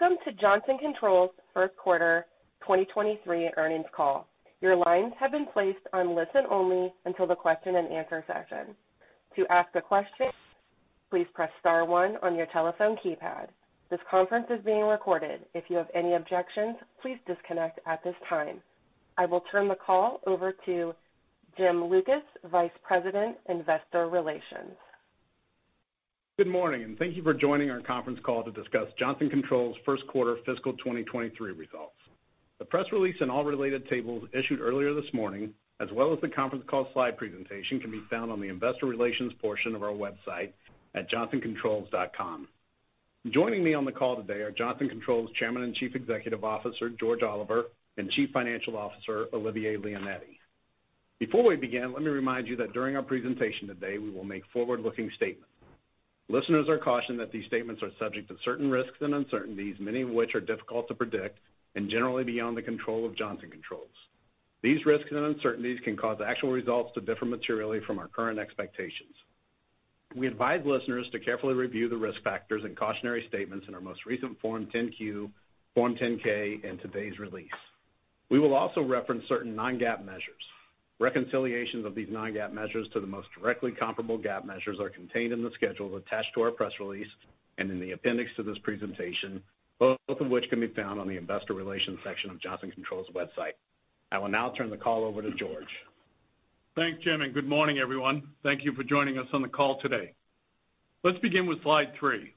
Welcome to Johnson Controls first quarter 2023 earnings call. Your lines have been placed on listen only until the question and answer session. To ask a question, please press star one on your telephone keypad. This conference is being recorded. If you have any objections, please disconnect at this time. I will turn the call over to Jim Lucas, Vice President, Investor Relations. Good morning, and thank you for joining our conference call to discuss Johnson Controls first quarter fiscal 2023 results. The press release and all related tables issued earlier this morning, as well as the conference call slide presentation, can be found on the investor relations portion of our website at johnsoncontrols.com. Joining me on the call today are Johnson Controls Chairman and Chief Executive Officer, George Oliver, and Chief Financial Officer, Olivier Leonetti. Before we begin, let me remind you that during our presentation today, we will make forward-looking statements. Listeners are cautioned that these statements are subject to certain risks and uncertainties, many of which are difficult to predict and generally beyond the control of Johnson Controls. These risks and uncertainties can cause actual results to differ materially from our current expectations. We advise listeners to carefully review the risk factors and cautionary statements in our most recent Form 10-Q, Form 10-K and today's release. We will also reference certain non-GAAP measures. Reconciliations of these non-GAAP measures to the most directly comparable GAAP measures are contained in the schedule attached to our press release and in the appendix to this presentation, both of which can be found on the investor relations section of Johnson Controls website. I will now turn the call over to George. Thanks, Jim. Good morning, everyone. Thank you for joining us on the call today. Let's begin with slide 3.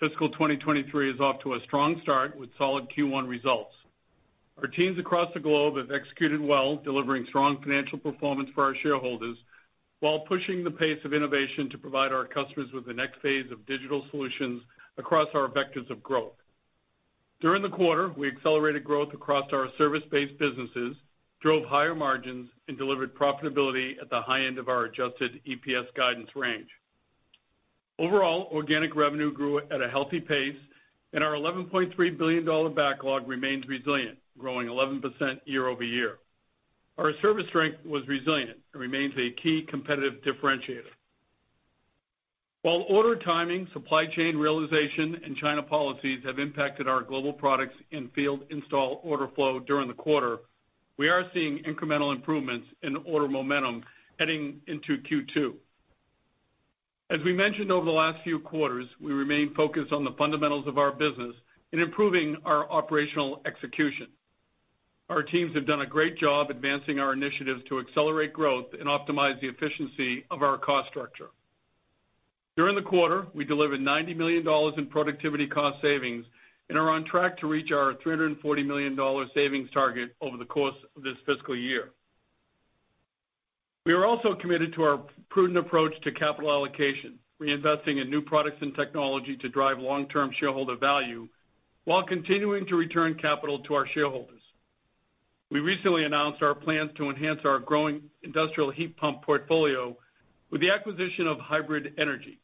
Fiscal 2023 is off to a strong start with solid Q1 results. Our teams across the globe have executed well, delivering strong financial performance for our shareholders while pushing the pace of innovation to provide our customers with the next phase of digital solutions across our vectors of growth. During the quarter, we accelerated growth across our service-based businesses, drove higher margins, and delivered profitability at the high end of our adjusted EPS guidance range. Overall, organic revenue grew at a healthy pace. Our $11.3 billion backlog remains resilient, growing 11% year-over-year. Our service strength was resilient and remains a key competitive differentiator. While order timing, supply chain realization, and China policies have impacted our global products in field install order flow during the quarter, we are seeing incremental improvements in order momentum heading into Q2. As we mentioned over the last few quarters, we remain focused on the fundamentals of our business in improving our operational execution. Our teams have done a great job advancing our initiatives to accelerate growth and optimize the efficiency of our cost structure. During the quarter, we delivered $90 million in productivity cost savings and are on track to reach our $340 million savings target over the course of this fiscal year. We are also committed to our prudent approach to capital allocation, reinvesting in new products and technology to drive long-term shareholder value while continuing to return capital to our shareholders. We recently announced our plans to enhance our growing industrial heat pump portfolio with the acquisition of Hybrid Energy.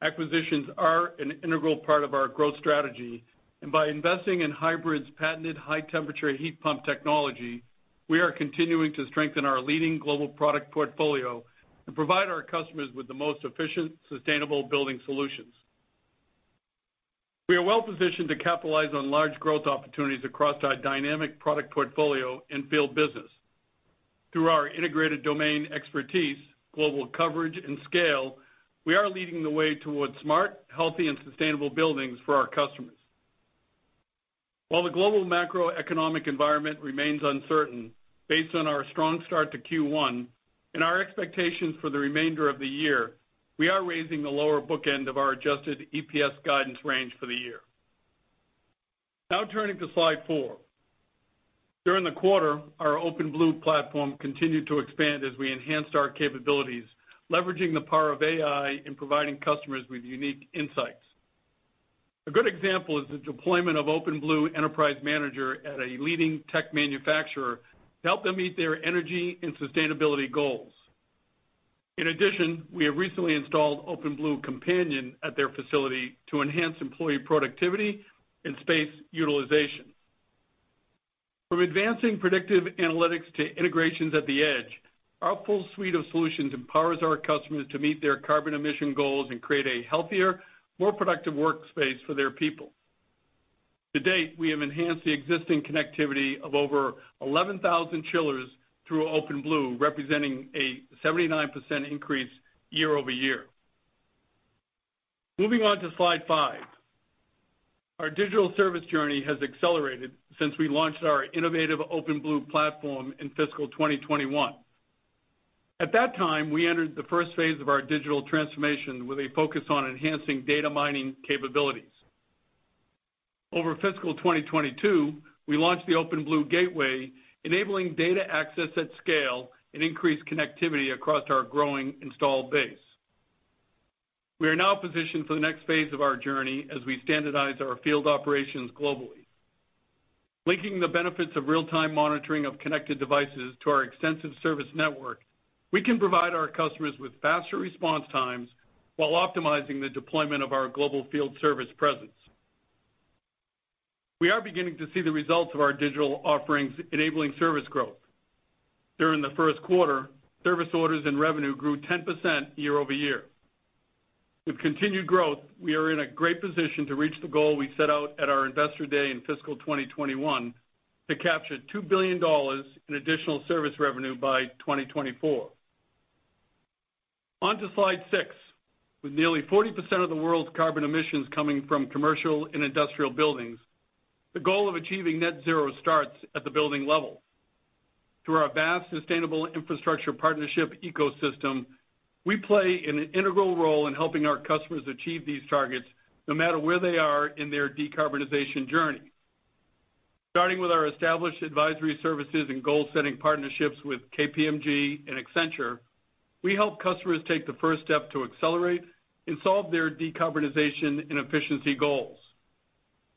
Acquisitions are an integral part of our growth strategy, and by investing in Hybrid's patented high temperature heat pump technology, we are continuing to strengthen our leading global product portfolio and provide our customers with the most efficient, sustainable building solutions. We are well-positioned to capitalize on large growth opportunities across our dynamic product portfolio and field business. Through our integrated domain expertise, global coverage, and scale, we are leading the way towards smart, healthy, and sustainable buildings for our customers. While the global macroeconomic environment remains uncertain, based on our strong start to Q1 and our expectations for the remainder of the year, we are raising the lower book end of our adjusted EPS guidance range for the year. Now turning to slide 4. During the quarter, our OpenBlue platform continued to expand as we enhanced our capabilities, leveraging the power of AI and providing customers with unique insights. A good example is the deployment of OpenBlue Enterprise Manager at a leading tech manufacturer to help them meet their energy and sustainability goals. In addition, we have recently installed OpenBlue Companion at their facility to enhance employee productivity and space utilization. From advancing predictive analytics to integrations at the edge, our full suite of solutions empowers our customers to meet their carbon emission goals and create a healthier, more productive workspace for their people. To date, we have enhanced the existing connectivity of over 11,000 chillers through OpenBlue, representing a 79% increase year-over-year. Moving on to slide 5. Our digital service journey has accelerated since we launched our innovative OpenBlue platform in fiscal 2021. At that time, we entered the first phase of our digital transformation with a focus on enhancing data mining capabilities. Over fiscal 2022, we launched the OpenBlue Gateway, enabling data access at scale and increased connectivity across our growing installed base. We are now positioned for the next phase of our journey as we standardize our field operations globally. Linking the benefits of real-time monitoring of connected devices to our extensive service network, we can provide our customers with faster response times while optimizing the deployment of our global field service presence. We are beginning to see the results of our digital offerings enabling service growth. During the first quarter, service orders and revenue grew 10% year-over-year. With continued growth, we are in a great position to reach the goal we set out at our Investor Day in fiscal 2021 to capture $2 billion in additional service revenue by 2024. On to slide 6. With nearly 40% of the world's carbon emissions coming from commercial and industrial buildings, the goal of achieving net zero starts at the building level. Through our vast sustainable infrastructure partnership ecosystem, we play an integral role in helping our customers achieve these targets no matter where they are in their decarbonization journey. Starting with our established advisory services and goal-setting partnerships with KPMG and Accenture, we help customers take the first step to accelerate and solve their decarbonization and efficiency goals.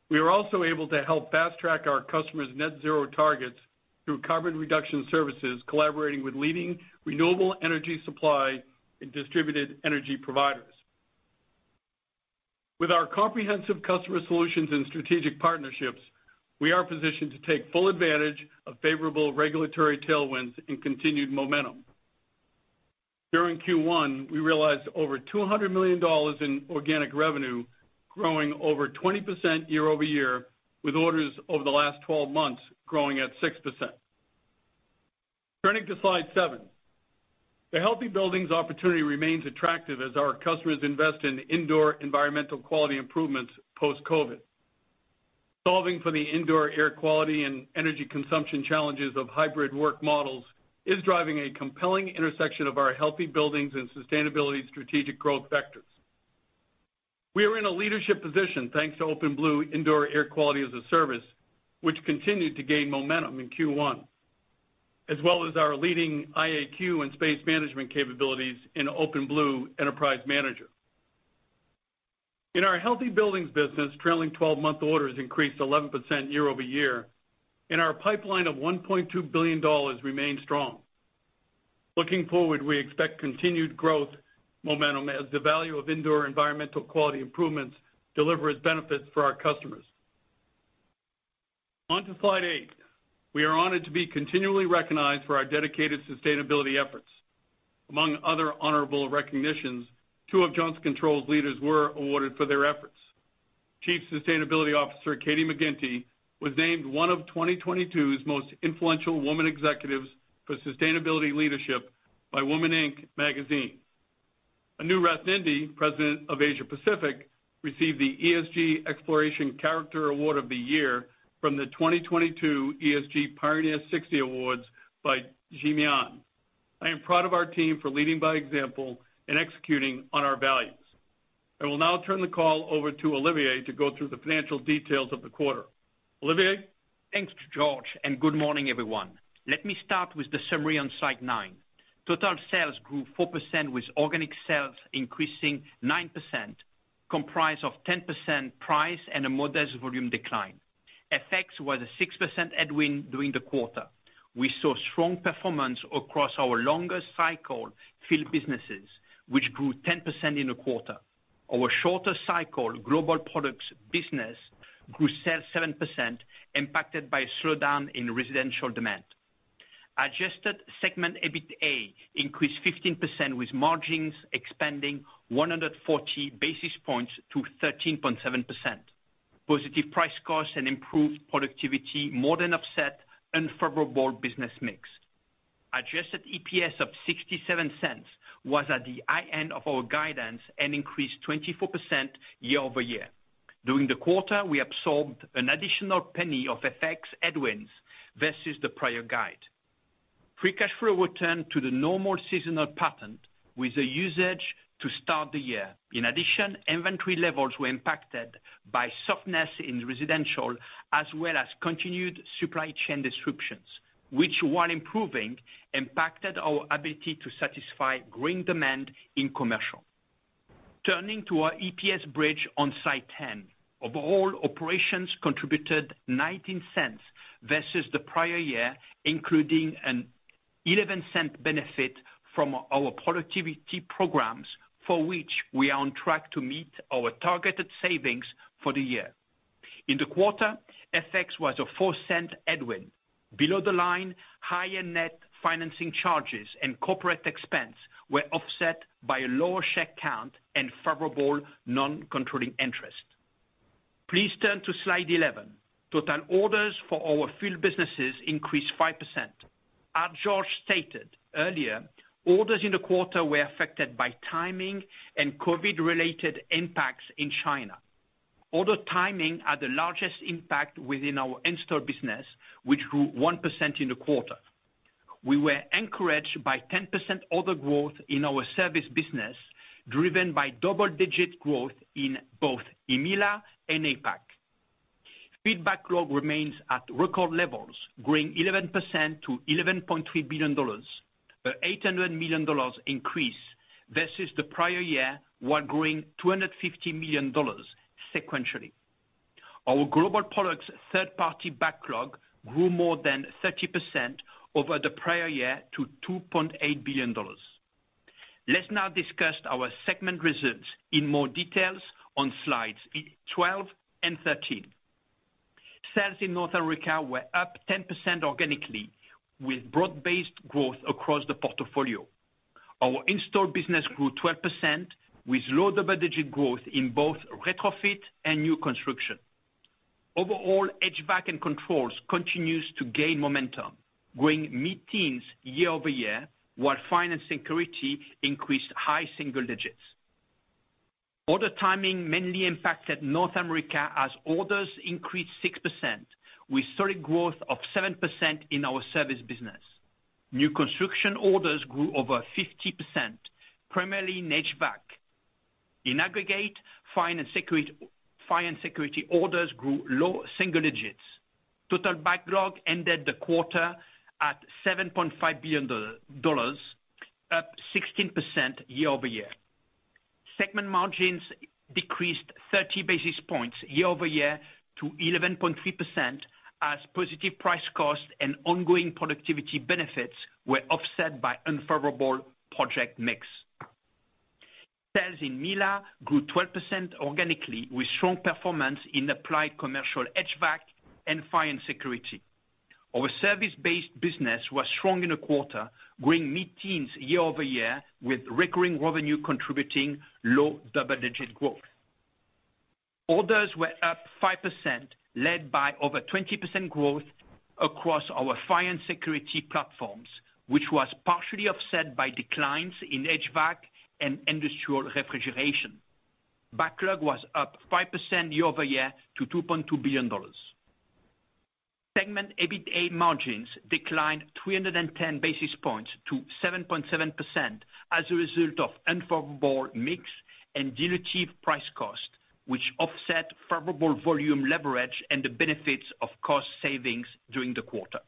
We are also able to help fast-track our customers' net zero targets through carbon reduction services, collaborating with leading renewable energy supply and distributed energy providers. With our comprehensive customer solutions and strategic partnerships, we are positioned to take full advantage of favorable regulatory tailwinds and continued momentum. During Q1, we realized over $200 million in organic revenue, growing over 20% year-over-year, with orders over the last 12 months growing at 6%. Turning to slide 7. The Healthy Buildings opportunity remains attractive as our customers invest in indoor environmental quality improvements post-COVID. Solving for the indoor air quality and energy consumption challenges of hybrid work models is driving a compelling intersection of our Healthy Buildings and sustainability strategic growth vectors. We are in a leadership position, thanks to OpenBlue Indoor Air Quality as a Service, which continued to gain momentum in Q1, as well as our leading IAQ and space management capabilities in OpenBlue Enterprise Manager. In our Healthy Buildings business, trailing 12-month orders increased 11% year-over-year. Our pipeline of $1.2 billion remains strong. Looking forward, we expect continued growth momentum as the value of indoor environmental quality improvements delivers benefits for our customers. On to slide 8. We are honored to be continually recognized for our dedicated sustainability efforts. Among other honorable recognitions, two of Johnson Controls leaders were awarded for their efforts. Chief Sustainability Officer Katie McGinty was named one of 2022's Most Influential Women Executives for Sustainability Leadership by WOMEN Inc. Magazine. Anu Rathinde, President of Asia Pacific, received the ESG Exploration Character of the Year from the 2022 ESG Pioneer 60 Awards by Jiemian. I am proud of our team for leading by example and executing on our values. I will now turn the call over to Olivier to go through the financial details of the quarter. Olivier? Thanks, George. Good morning, everyone. Let me start with the summary on slide 9. Total sales grew 4% with organic sales increasing 9%, comprised of 10% price and a modest volume decline. FX was a 6% headwind during the quarter. We saw strong performance across our longer cycle field businesses, which grew 10% in a quarter. Our shorter cycle global products business grew sales 7% impacted by a slowdown in residential demand. Adjusted Segment EBITA increased 15% with margins expanding 140 basis points to 13.7%. Positive price cost and improved productivity more than offset unfavorable business mix. Adjusted EPS of $0.67 was at the high end of our guidance and increased 24% year-over-year. During the quarter, we absorbed an additional $0.01 of FX headwinds versus the prior guide. Free cash flow returned to the normal seasonal pattern with the usage to start the year. Inventory levels were impacted by softness in residential as well as continued supply chain disruptions, which, while improving, impacted our ability to satisfy growing demand in commercial. Turning to our EPS bridge on slide 10. Overall, operations contributed $0.19 versus the prior year, including an $0.11 benefit from our productivity programs, for which we are on track to meet our targeted savings for the year. In the quarter, FX was a $0.04 headwind. Below the line, higher net financing charges and corporate expense were offset by a lower share count and favorable non-controlling interest. Please turn to slide 11. Total orders for our field businesses increased 5%. As George stated earlier, orders in the quarter were affected by timing and COVID-related impacts in China. Order timing had the largest impact within our in-store business, which grew 1% in the quarter. We were encouraged by 10% order growth in our service business, driven by double-digit growth in both EMEA and APAC. Feedback log remains at record levels, growing 11% to $11.3 billion, an $800 million increase versus the prior year, while growing $250 million sequentially. Our global products third-party backlog grew more than 30% over the prior year to $2.8 billion. Let's now discuss our segment results in more details on slides 12 and 13. Sales in North America were up 10% organically with broad-based growth across the portfolio. Our in-store business grew 12% with low double-digit growth in both retrofit and new construction. Overall, HVAC and controls continues to gain momentum, growing mid-teens year-over-year, while fire and security increased high single digits. Order timing mainly impacted North America as orders increased 6% with solid growth of 7% in our service business. New construction orders grew over 50%, primarily in HVAC. In aggregate, fire and security orders grew low single digits. Total backlog ended the quarter at $7.5 billion, up 16% year-over-year. Segment margins decreased 30 basis points year-over-year to 11.3% as positive price cost and ongoing productivity benefits were offset by unfavorable project mix. Sales in MILA grew 12% organically with strong performance in applied commercial HVAC and fire and security. Our service-based business was strong in the quarter, growing mid-teens year-over-year with recurring revenue contributing low double-digit growth. Orders were up 5%, led by over 20% growth across our fire and security platforms, which was partially offset by declines in HVAC and industrial refrigeration. Backlog was up 5% year-over-year to $2.2 billion. Segment EBITA margins declined 310 basis points to 7.7% as a result of unfavorable mix and dilutive price cost, which offset favorable volume leverage and the benefits of cost savings during the quarter.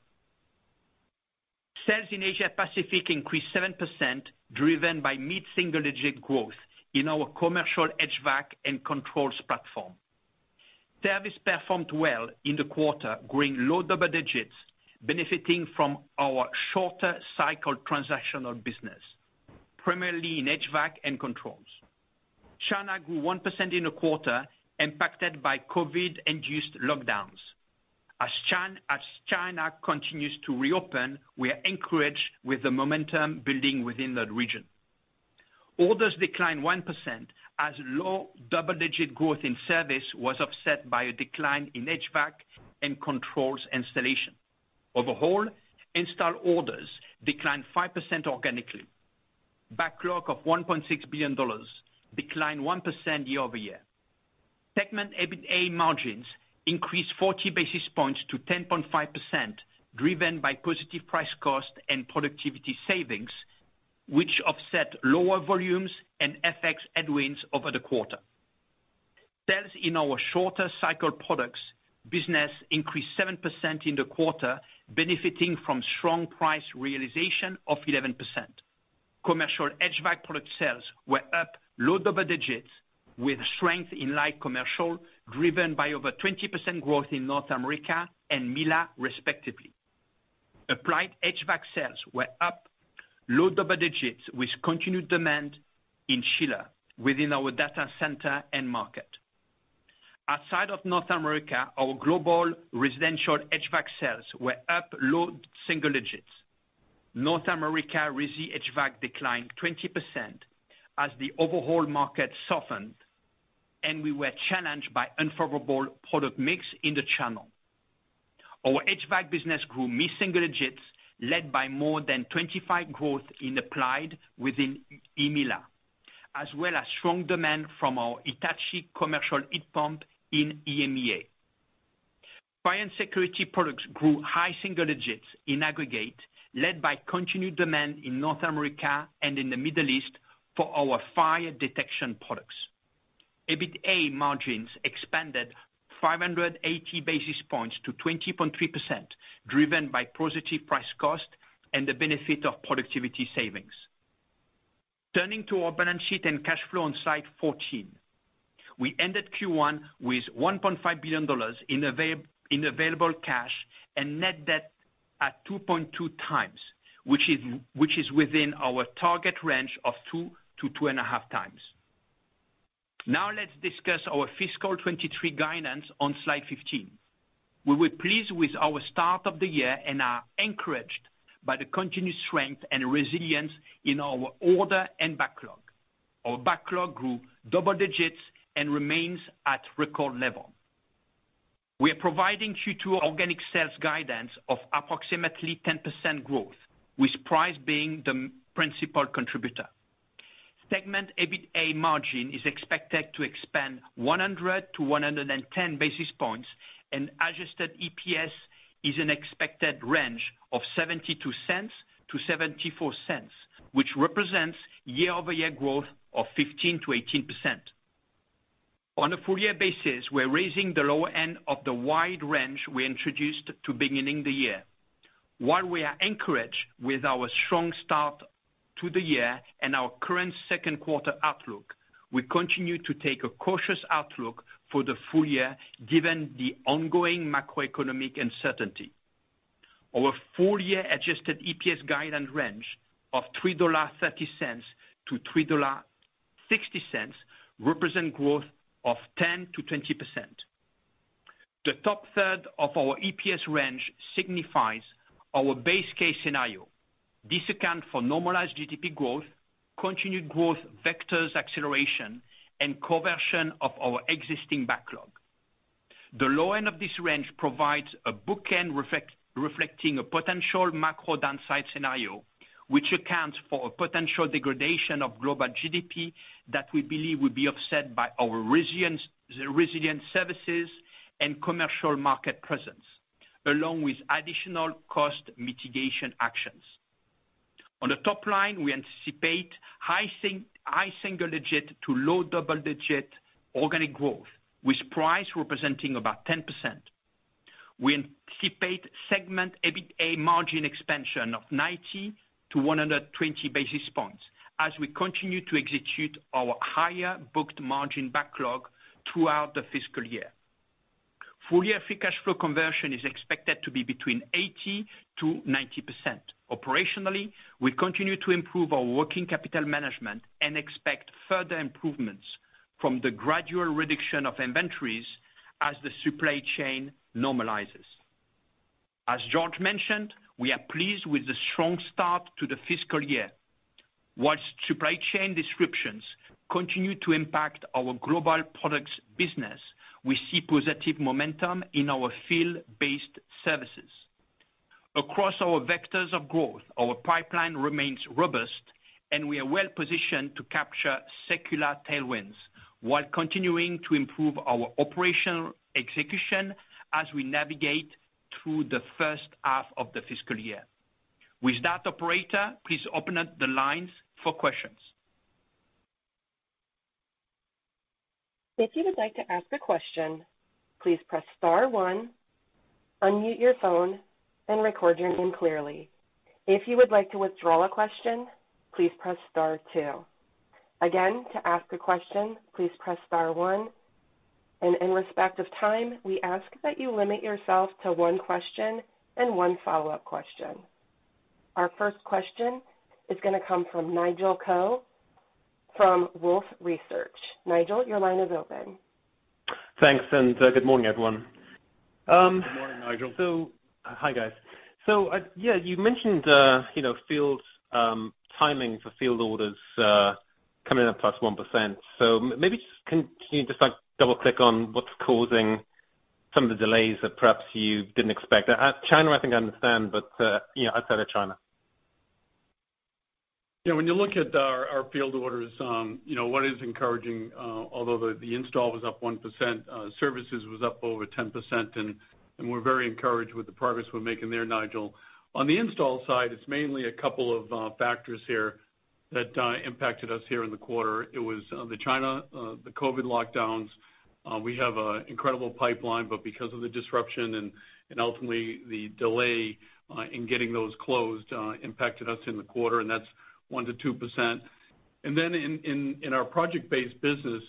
Sales in Asia Pacific increased 7%, driven by mid-single-digit growth in our commercial HVAC and controls platform. Service performed well in the quarter, growing low double digits, benefiting from our shorter cycle transactional business, primarily in HVAC and controls. China grew 1% in the quarter, impacted by COVID-induced lockdowns. As China continues to reopen, we are encouraged with the momentum building within the region. Orders declined 1% as low double-digit growth in service was offset by a decline in HVAC and controls installation. Overall, in-store orders declined 5% organically. Backlog of $1.6 billion declined 1% year-over-year. Segment EBITA margins increased 40 basis points to 10.5%, driven by positive price cost and productivity savings, which offset lower volumes and FX headwinds over the quarter. Sales in our shorter cycle products business increased 7% in the quarter, benefiting from strong price realization of 11%. Commercial HVAC product sales were up low double digits with strength in light commercial, driven by over 20% growth in North America and MILA respectively. Applied HVAC sales were up low double digits with continued demand in Chile within our data center end market. Outside of North America, our global residential HVAC sales were up low single digits. North America resi HVAC declined 20% as the overall market softened, and we were challenged by unfavorable product mix in the channel. Our HVAC business grew mid-single digits, led by more than 25% growth in applied within EMEALA, as well as strong demand from our Hitachi commercial heat pump in EMEA. Fire and security products grew high single digits in aggregate, led by continued demand in North America and in the Middle East for our fire detection products. EBITA margins expanded 580 basis points to 20.3%, driven by positive price cost and the benefit of productivity savings. Turning to our balance sheet and cash flow on slide 14. We ended Q1 with $1.5 billion in available cash and net debt at 2.2x, which is within our target range of 2x-2.5x. Let's discuss our fiscal 2023 guidance on slide 15. We were pleased with our start of the year and are encouraged by the continued strength and resilience in our order and backlog. Our backlog grew double digits and remains at record level. We are providing Q2 organic sales guidance of approximately 10% growth, with price being the principal contributor. Segment EBITA margin is expected to expand 100-110 basis points, and adjusted EPS is an expected range of $0.72-$0.74, which represents year-over-year growth of 15%-18%. On a full year basis, we're raising the lower end of the wide range we introduced to beginning the year. While we are encouraged with our strong start to the year and our current second quarter outlook, we continue to take a cautious outlook for the full year given the ongoing macroeconomic uncertainty. Our full year adjusted EPS guidance range of $3.30-$3.60 represent growth of 10%-20%. The top third of our EPS range signifies our base case scenario. This account for normalized GDP growth, continued growth vectors acceleration, and conversion of our existing backlog. The low end of this range provides a bookend reflecting a potential macro downside scenario, which accounts for a potential degradation of global GDP that we believe will be offset by our resilient services and commercial market presence, along with additional cost mitigation actions. On the top line, we anticipate high single digit to low double digit organic growth, with price representing about 10%. We anticipate Segment EBITA margin expansion of 90-120 basis points as we continue to execute our higher booked margin backlog throughout the fiscal year. Full year free cash flow conversion is expected to be between 80%-90%. Operationally, we continue to improve our working capital management and expect further improvements from the gradual reduction of inventories as the supply chain normalizes. As George mentioned, we are pleased with the strong start to the fiscal year. Whilst supply chain disruptions continue to impact our global products business, we see positive momentum in our field-based services. Across our vectors of growth, our pipeline remains robust and we are well positioned to capture secular tailwinds while continuing to improve our operational execution as we navigate through the first half of the fiscal year. With that, operator, please open up the lines for questions. If you would like to ask a question, please press star one, unmute your phone and record your name clearly. If you would like to withdraw a question, please press star two. Again, to ask a question, please press star one. In respect of time, we ask that you limit yourself to one question and one follow-up question. Our first question is gonna come from Nigel Coe from Wolfe Research. Nigel, your line is open. Thanks, good morning, everyone. Good morning, Nigel. Hi, guys. Yeah, you mentioned, you know, field timing for field orders, coming in at +1%. Maybe just can you just like double click on what's causing some of the delays that perhaps you didn't expect. China, I think I understand, but, you know, outside of China. When you look at our field orders, you know what is encouraging, although the install was up 1%, services was up over 10%, and we're very encouraged with the progress we're making there, Nigel. On the install side, it's mainly a couple of factors here that impacted us here in the quarter. It was the China COVID lockdowns. We have a incredible pipeline, but because of the disruption and ultimately the delay in getting those closed, impacted us in the quarter, and that's 1%-2%. Then in our project-based business,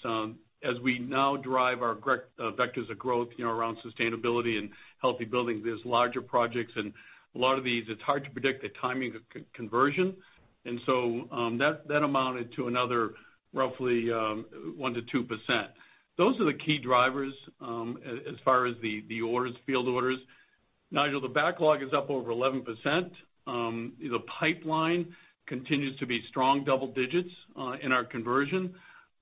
as we now drive our vectors of growth, you know, around sustainability and healthy buildings, there's larger projects and a lot of these, it's hard to predict the timing of conversion. That amounted to another roughly 1%-2%. Those are the key drivers as far as the orders, field orders. Nigel, the backlog is up over 11%. The pipeline continues to be strong double digits in our conversion.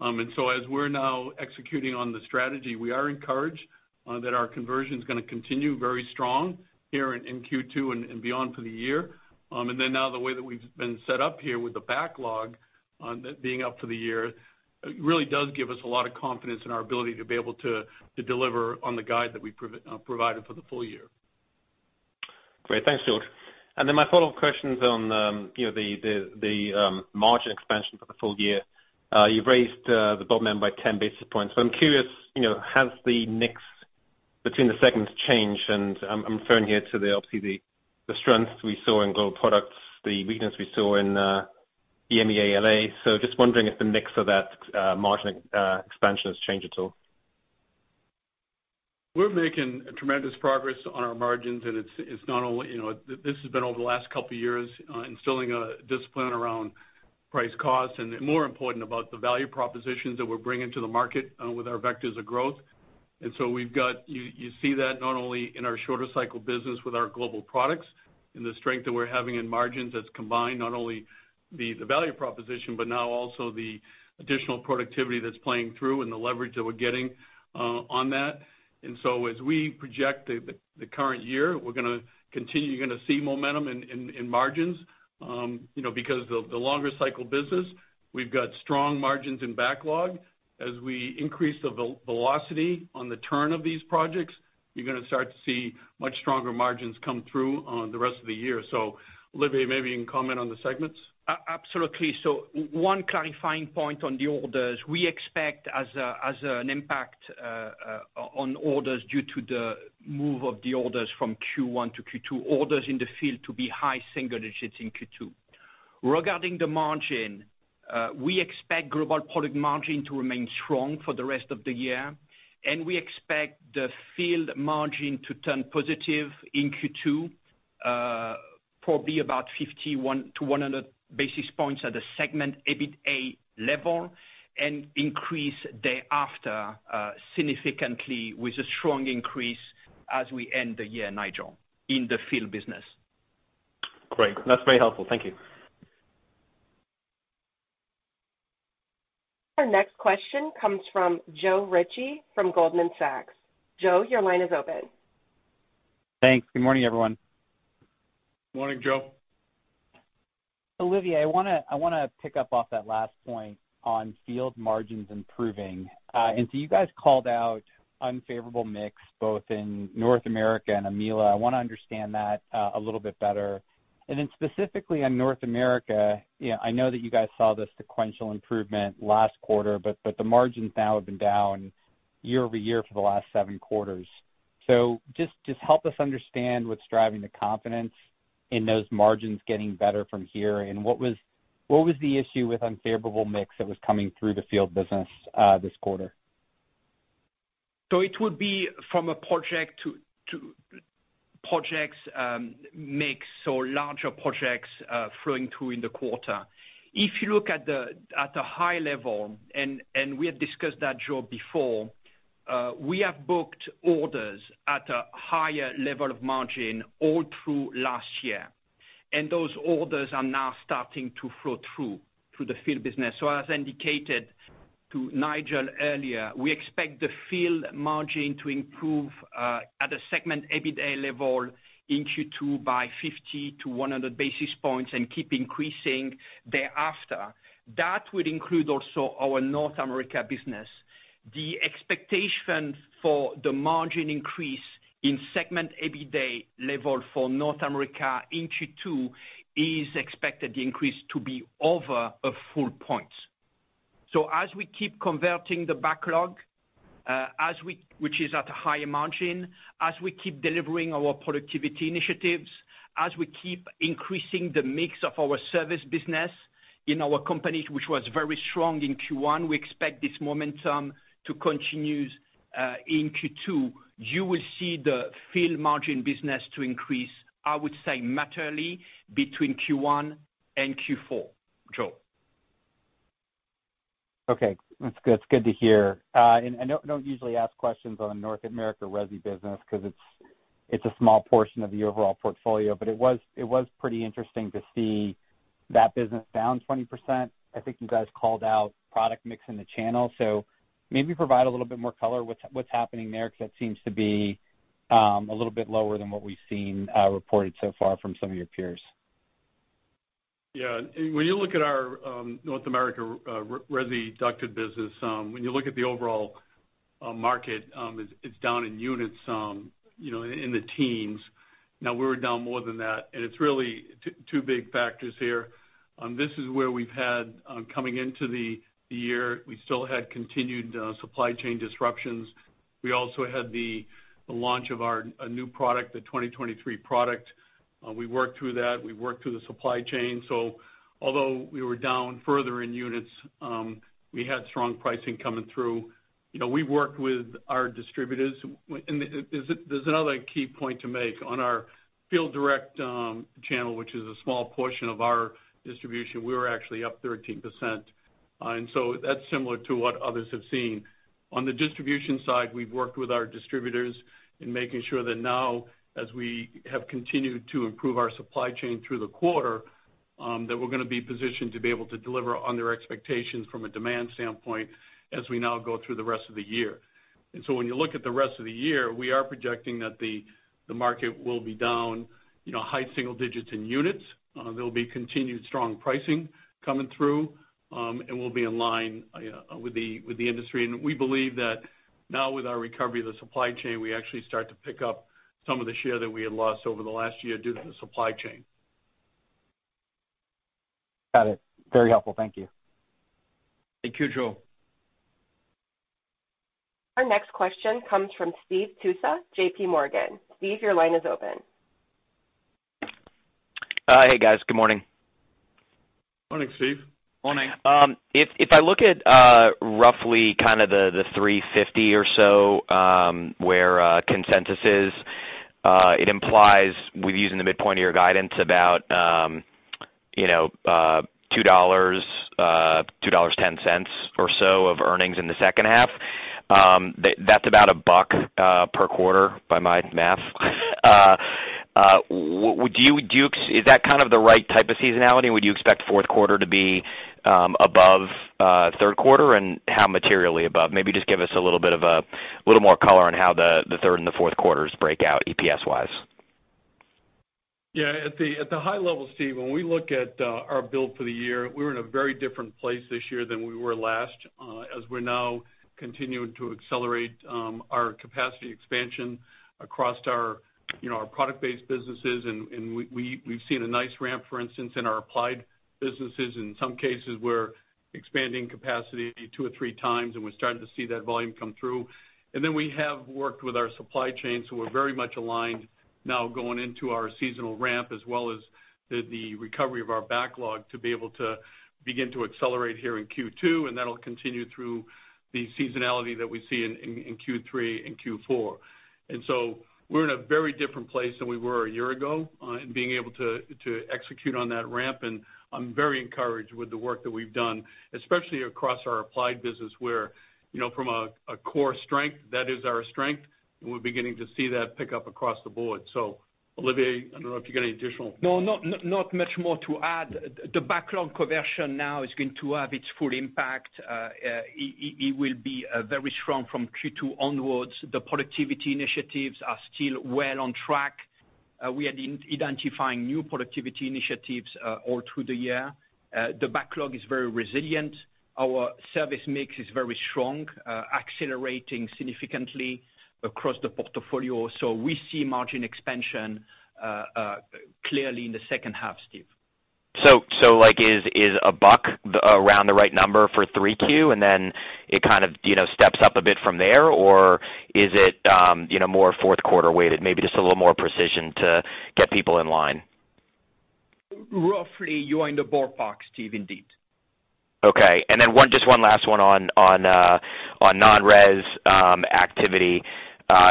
As we're now executing on the strategy, we are encouraged that our conversion is gonna continue very strong here in Q2 and beyond for the year. Now the way that we've been set up here with the backlog, being up for the year, really does give us a lot of confidence in our ability to be able to deliver on the guide that we provided for the full year. Great. Thanks, George. My follow-up question is on, you know, the margin expansion for the full year. You've raised the bottom end by 10 basis points. I'm curious, you know, has the mix between the segments changed? I'm referring here to the obviously the strength we saw in global products, the weakness we saw in EMEA, LA. Just wondering if the mix of that margin expansion has changed at all. We're making tremendous progress on our margins, it's not only, you know, this has been over the last couple of years, instilling a discipline around price cost and more important about the value propositions that we're bringing to the market with our vectors of growth. You see that not only in our shorter cycle business with our global products and the strength that we're having in margins that's combined not only the value proposition, but now also the additional productivity that's playing through and the leverage that we're getting on that. As we project the current year, we're gonna continue, you're gonna see momentum in margins, you know, because the longer cycle business, we've got strong margins in backlog. As we increase the velocity on the turn of these projects, you're gonna start to see much stronger margins come through on the rest of the year. Olivier, maybe you can comment on the segments. Absolutely. One clarifying point on the orders. We expect as a an impact on orders due to the move of the orders from Q1 to Q2, orders in the field to be high single digits in Q2. Regarding the margin, we expect global product margin to remain strong for the rest of the year, and we expect the field margin to turn positive in Q2, probably about 51-100 basis points at the Segment EBITA level and increase thereafter, significantly with a strong increase as we end the year, Nigel, in the field business. Great. That's very helpful. Thank you. Our next question comes from Joe Ritchie from Goldman Sachs. Joe, your line is open. Thanks. Good morning, everyone. Morning, Joe. Olivier, I wanna pick up off that last point on field margins improving. You guys called out unfavorable mix both in North America and EMELA. I wanna understand that a little bit better. Specifically on North America, yeah, I know that you guys saw the sequential improvement last quarter, but the margins now have been down year-over-year for the last 7 quarters. Just help us understand what's driving the confidence in those margins getting better from here. What was the issue with unfavorable mix that was coming through the field business this quarter? It would be from a project to projects mix or larger projects flowing through in the quarter. If you look at the high level and we have discussed that, Joe, before, we have booked orders at a higher level of margin all through last year, those orders are now starting to flow through to the field business. As indicated to Nigel earlier, we expect the field margin to improve at a Segment EBITA level in Q2 by 50 to 100 basis points and keep increasing thereafter. That would include also our North America business. The expectations for the margin increase in Segment EBITA level for North America in Q2 is expected the increase to be over a full point. As we keep converting the backlog, which is at a higher margin, as we keep delivering our productivity initiatives, as we keep increasing the mix of our service business in our company, which was very strong in Q1, we expect this momentum to continue in Q2. You will see the field margin business to increase, I would say materially between Q1 and Q4, Joe. Okay. That's good, it's good to hear. I don't usually ask questions on North America resi business 'cause it's a small portion of the overall portfolio. It was pretty interesting to see that business down 20%. I think you guys called out product mix in the channel. Maybe provide a little bit more color what's happening there 'cause that seems to be a little bit lower than what we've seen reported so far from some of your peers. When you look at our North America resi ducted business, when you look at the overall market, it's down in units, you know, in the teens. We're down more than that, and it's really two big factors here. This is where we've had, coming into the year, we still had continued supply chain disruptions. We also had the launch of our new product, the 2023 product. We worked through that. We worked through the supply chain. Although we were down further in units, we had strong pricing coming through. You know, we worked with our distributors. There's another key point to make. On our field direct channel, which is a small portion of our distribution, we were actually up 13%. That's similar to what others have seen. On the distribution side, we've worked with our distributors in making sure that now, as we have continued to improve our supply chain through the quarter, that we're gonna be positioned to be able to deliver on their expectations from a demand standpoint as we now go through the rest of the year. When you look at the rest of the year, we are projecting that the market will be down, you know, high single digits in units. There'll be continued strong pricing coming through, and we'll be in line with the industry. We believe that now with our recovery of the supply chain, we actually start to pick up some of the share that we had lost over the last year due to the supply chain. Got it. Very helpful. Thank you. Thank you, Joe. Our next question comes from Steve Tusa, J.P. Morgan. Steve, your line is open. Hey, guys. Good morning. Morning, Steve. Morning. If I look at, roughly kind of the 350 or so, where consensus is, it implies we're using the midpoint of your guidance about, you know, $2.00, $2.10 or so of earnings in the second half. That's about $1.00 per quarter by my math. Do you is that kind of the right type of seasonality? Would you expect fourth quarter to be above third quarter, and how materially above? Maybe just give us a little bit of a, little more color on how the third and the fourth quarters break out EPS-wise. Yeah, at the high level, Steve, when we look at our build for the year, we're in a very different place this year than we were last, as we're now continuing to accelerate our capacity expansion across our, you know, our product-based businesses. We've seen a nice ramp, for instance, in our applied businesses. In some cases, we're expanding capacity 2 or 3x, and we're starting to see that volume come through. We have worked with our supply chain, so we're very much aligned now going into our seasonal ramp, as well as the recovery of our backlog to be able to begin to accelerate here in Q2, and that'll continue through the seasonality that we see in Q3 and Q4. We're in a very different place than we were a year ago, in being able to execute on that ramp. I'm very encouraged with the work that we've done, especially across our applied business where, you know, from a core strength, that is our strength, and we're beginning to see that pick up across the board. Olivier, I don't know if you've got any. No, not much more to add. The backlog conversion now is going to have its full impact. It will be very strong from Q2 onwards. The productivity initiatives are still well on track. We are identifying new productivity initiatives all through the year. The backlog is very resilient. Our service mix is very strong, accelerating significantly across the portfolio. We see margin expansion clearly in the second half, Steve. Like $1 around the right number for 3Q, and then it kind of, you know, steps up a bit from there? Is it, you know, more fourth quarter weighted? Maybe just a little more precision to get people in line. Roughly, you're in the ballpark, Steve, indeed. Okay. One, just one last one on non-res, activity.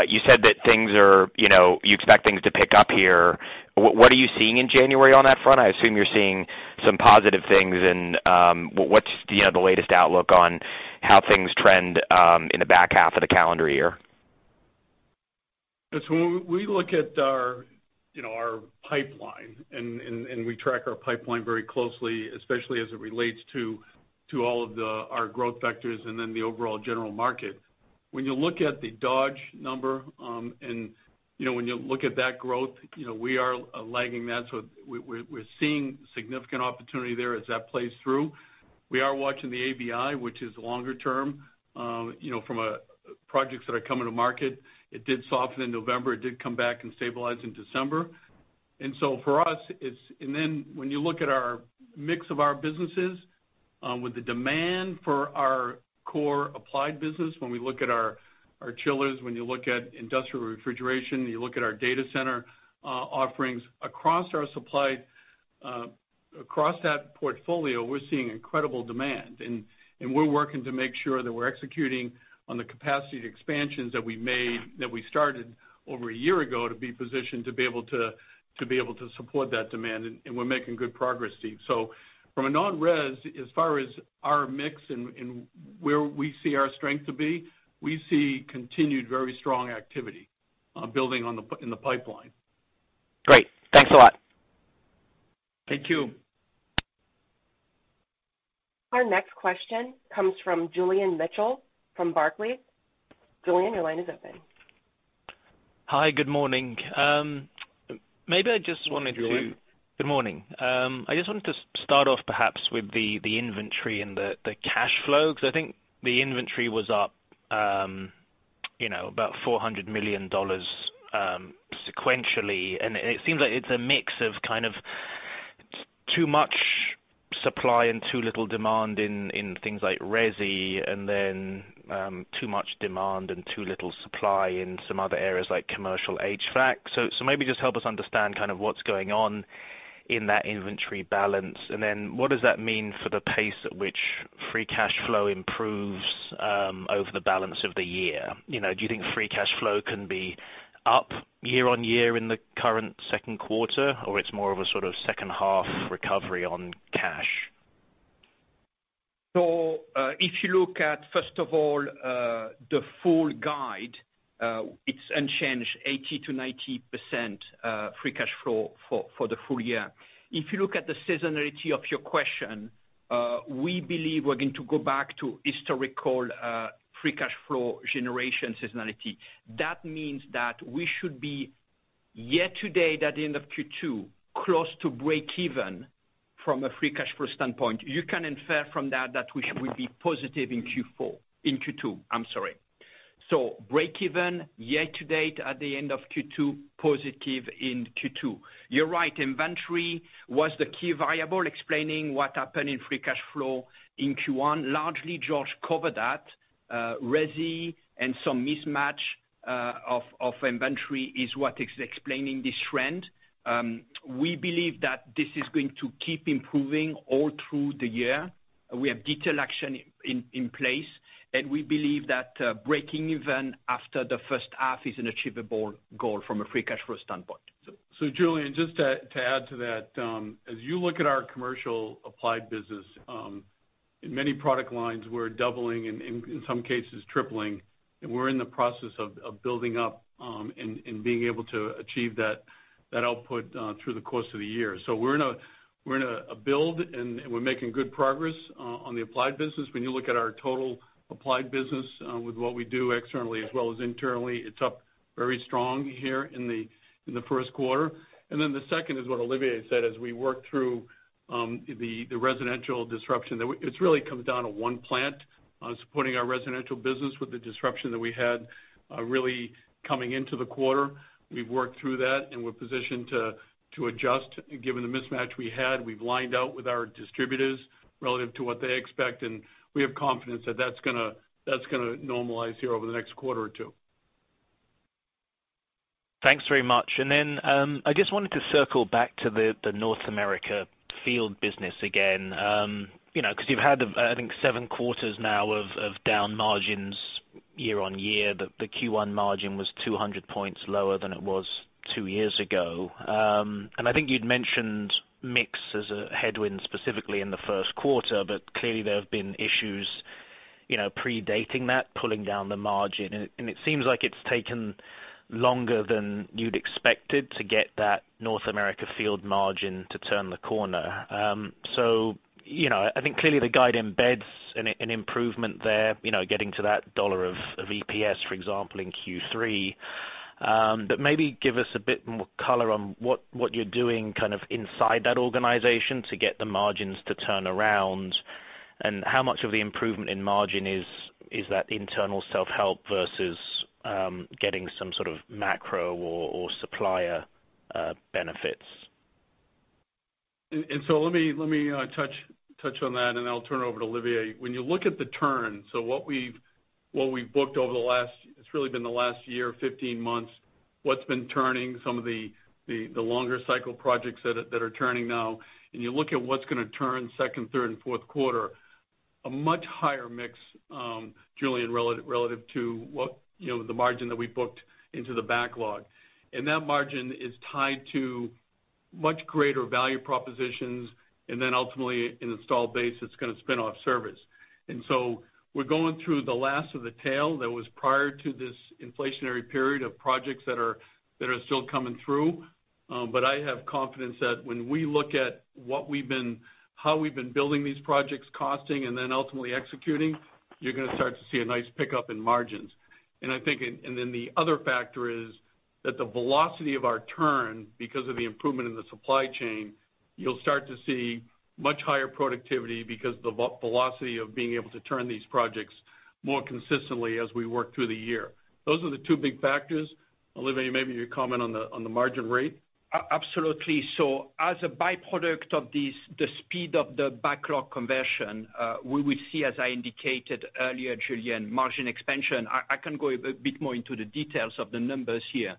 You said that things are, you know, you expect things to pick up here. What are you seeing in January on that front? I assume you're seeing some positive things. What's, you know, the latest outlook on how things trend, in the back half of the calendar year? When we look at our, you know, our pipeline, and we track our pipeline very closely, especially as it relates to all of the, our growth vectors and then the overall general market. When you look at the Dodge number, and, you know, when you look at that growth, you know, we are lagging that. We're seeing significant opportunity there as that plays through. We are watching the ABI, which is longer term, you know, from projects that are coming to market. It did soften in November. It did come back and stabilize in December. For us, and then when you look at our mix of our businesses, with the demand for our core applied business, when we look at our chillers, when you look at industrial refrigeration, you look at our data center offerings. Across our supply, across that portfolio, we're seeing incredible demand. We're working to make sure that we're executing on the capacity expansions that we made, that we started over 1 year ago to be positioned to be able to support that demand, and we're making good progress, Steve. From a non-res, as far as our mix and where we see our strength to be, we see continued very strong activity, building on the pipeline. Great. Thanks a lot. Thank you. Our next question comes from Julian Mitchell from Barclays. Julian, your line is open. Hi, good morning. maybe I just. Julian. Good morning. I just wanted to start off perhaps with the inventory and the cash flow, 'cause I think the inventory was up, you know, about $400 million sequentially. It seems like it's a mix of kind of too much supply and too little demand in things like resi and then, too much demand and too little supply in some other areas like commercial HVAC. Maybe just help us understand kind of what's going on in that inventory balance. What does that mean for the pace at which free cash flow improves over the balance of the year? You know, do you think free cash flow can be up year-on-year in the current second quarter, or it's more of a sort of second half recovery on cash? If you look at, first of all, the full guide, it's unchanged 80%-90% free cash flow for the full year. If you look at the seasonality of your question, we believe we're going to go back to historical free cash flow generation seasonality. That means that we should be, year to date at the end of Q2, close to break even from a free cash flow standpoint. You can infer from that we should be positive in Q4, in Q2, I'm sorry. Break even year to date at the end of Q2, positive in Q2. You're right, inventory was the key variable explaining what happened in free cash flow in Q1. Largely, George covered that, resi and some mismatch of inventory is what is explaining this trend. We believe that this is going to keep improving all through the year. We have detailed action in place. We believe that breaking even after the first half is an achievable goal from a free cash flow standpoint. Julian, just to add to that, as you look at our commercial applied business, in many product lines, we're doubling and in some cases tripling. We're in the process of building up and being able to achieve that output through the course of the year. We're in a build, and we're making good progress on the applied business. When you look at our total applied business, with what we do externally as well as internally, it's up very strong here in the first quarter. The second is what Olivier said as we work through the residential disruption that really comes down to one plant supporting our residential business with the disruption that we had really coming into the quarter. We've worked through that. We're positioned to adjust given the mismatch we had. We've lined out with our distributors relative to what they expect. We have confidence that that's gonna normalize here over the next quarter or two. Thanks very much. I just wanted to circle back to the North America field business again. You know, 'cause you've had, I think 7 quarters now of down margins year-over-year. The Q1 margin was 200 points lower than it was 2 years ago. I think you'd mentioned mix as a headwind specifically in the 1st quarter, but clearly there have been issues, you know, predating that, pulling down the margin. It seems like it's taken longer than you'd expected to get that North America field margin to turn the corner. You know, I think clearly the guide embeds an improvement there, you know, getting to that $1 of EPS, for example, in Q3. maybe give us a bit more color on what you're doing kind of inside that organization to get the margins to turn around, and how much of the improvement in margin is that internal self-help versus, getting some sort of macro or supplier, benefits? Let me touch on that, then I'll turn it over to Olivier. When you look at the turn, what we've booked over the last, it's really been the last year, 15 months, what's been turning some of the longer cycle projects that are turning now, and you look at what's gonna turn second, third and fourth quarter, a much higher mix, Julian, relative to what, you know, the margin that we booked into the backlog. That margin is tied to much greater value propositions and then ultimately an installed base that's gonna spin off service. We're going through the last of the tail that was prior to this inflationary period of projects that are still coming through. I have confidence that when we look at how we've been building these projects, costing and then ultimately executing, you're gonna start to see a nice pickup in margins. Then the other factor is that the velocity of our turn, because of the improvement in the supply chain, you'll start to see much higher productivity because the velocity of being able to turn these projects more consistently as we work through the year. Those are the two big factors. Olivier, maybe you comment on the margin rate. Absolutely. As a byproduct of this, the speed of the backlog conversion, we will see, as I indicated earlier, Julian, margin expansion. I can go a bit more into the details of the numbers here.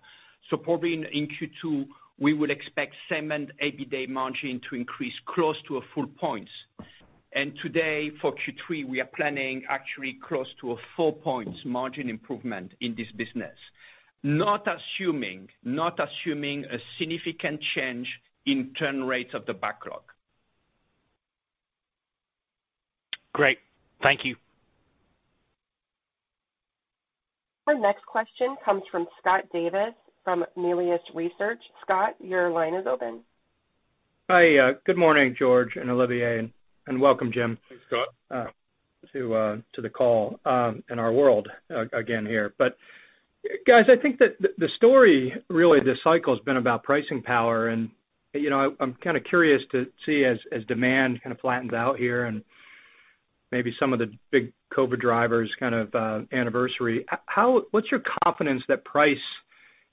Probably in Q2, we will expect Segment EBITDA margin to increase close to a full point. Today, for Q3, we are planning actually close to a 4 points margin improvement in this business, not assuming a significant change in turn rates of the backlog. Great. Thank you. Our next question comes from Scott Davis from Melius Research. Scott, your line is open. Hi. Good morning, George and Olivier, and welcome Jim- Thanks, Scott. to the call, and our world again here. Guys, I think that the story really this cycle has been about pricing power. You know, I'm kinda curious to see as demand kind of flattens out here and maybe some of the big COVID drivers kind of anniversary. What's your confidence that price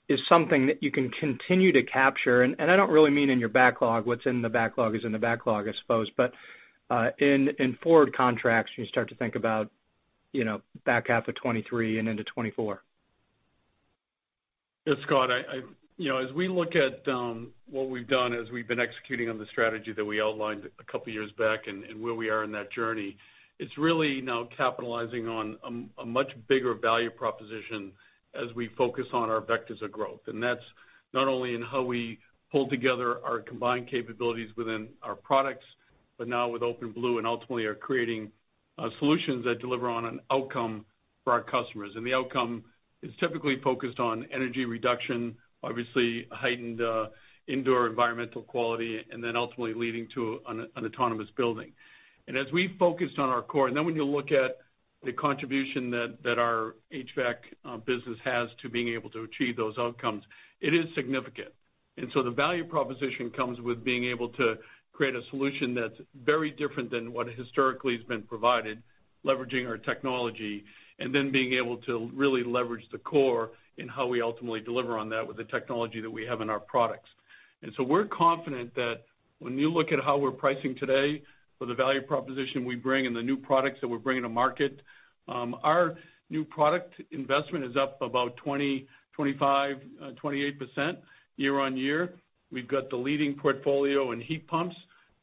is something that you can continue to capture? I don't really mean in your backlog. What's in the backlog is in the backlog, I suppose. In forward contracts, you start to think about, you know, back half of 2023 and into 2024. Yeah, Scott, I, you know, as we look at what we've done as we've been executing on the strategy that we outlined a couple of years back, and where we are in that journey, it's really now capitalizing on a much bigger value proposition as we focus on our vectors of growth. That's not only in how we pull together our combined capabilities within our products, but now with OpenBlue and ultimately are creating solutions that deliver on an outcome for our customers. The outcome is typically focused on energy reduction, obviously heightened indoor environmental quality, and then ultimately leading to an autonomous building. As we focused on our core, then when you look at the contribution that our HVAC business has to being able to achieve those outcomes, it is significant. The value proposition comes with being able to create a solution that's very different than what historically has been provided, leveraging our technology, and then being able to really leverage the core in how we ultimately deliver on that with the technology that we have in our products. We're confident that when you look at how we're pricing today with the value proposition we bring and the new products that we're bringing to market, our new product investment is up about 20, 25, 28% year-on-year. We've got the leading portfolio in heat pumps.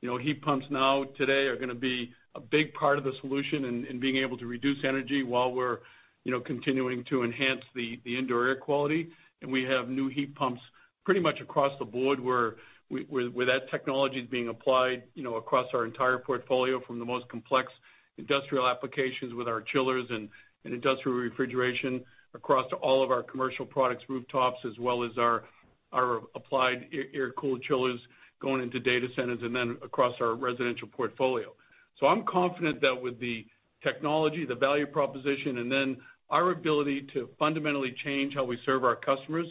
You know, heat pumps now today are gonna be a big part of the solution in being able to reduce energy while we're, you know, continuing to enhance the indoor air quality. We have new heat pumps pretty much across the board where that technology is being applied, you know, across our entire portfolio from the most complex industrial applications with our chillers and industrial refrigeration across all of our commercial products, rooftops, as well as our applied air-cooled chillers going into data centers and then across our residential portfolio. I'm confident that with the technology, the value proposition, and then our ability to fundamentally change how we serve our customers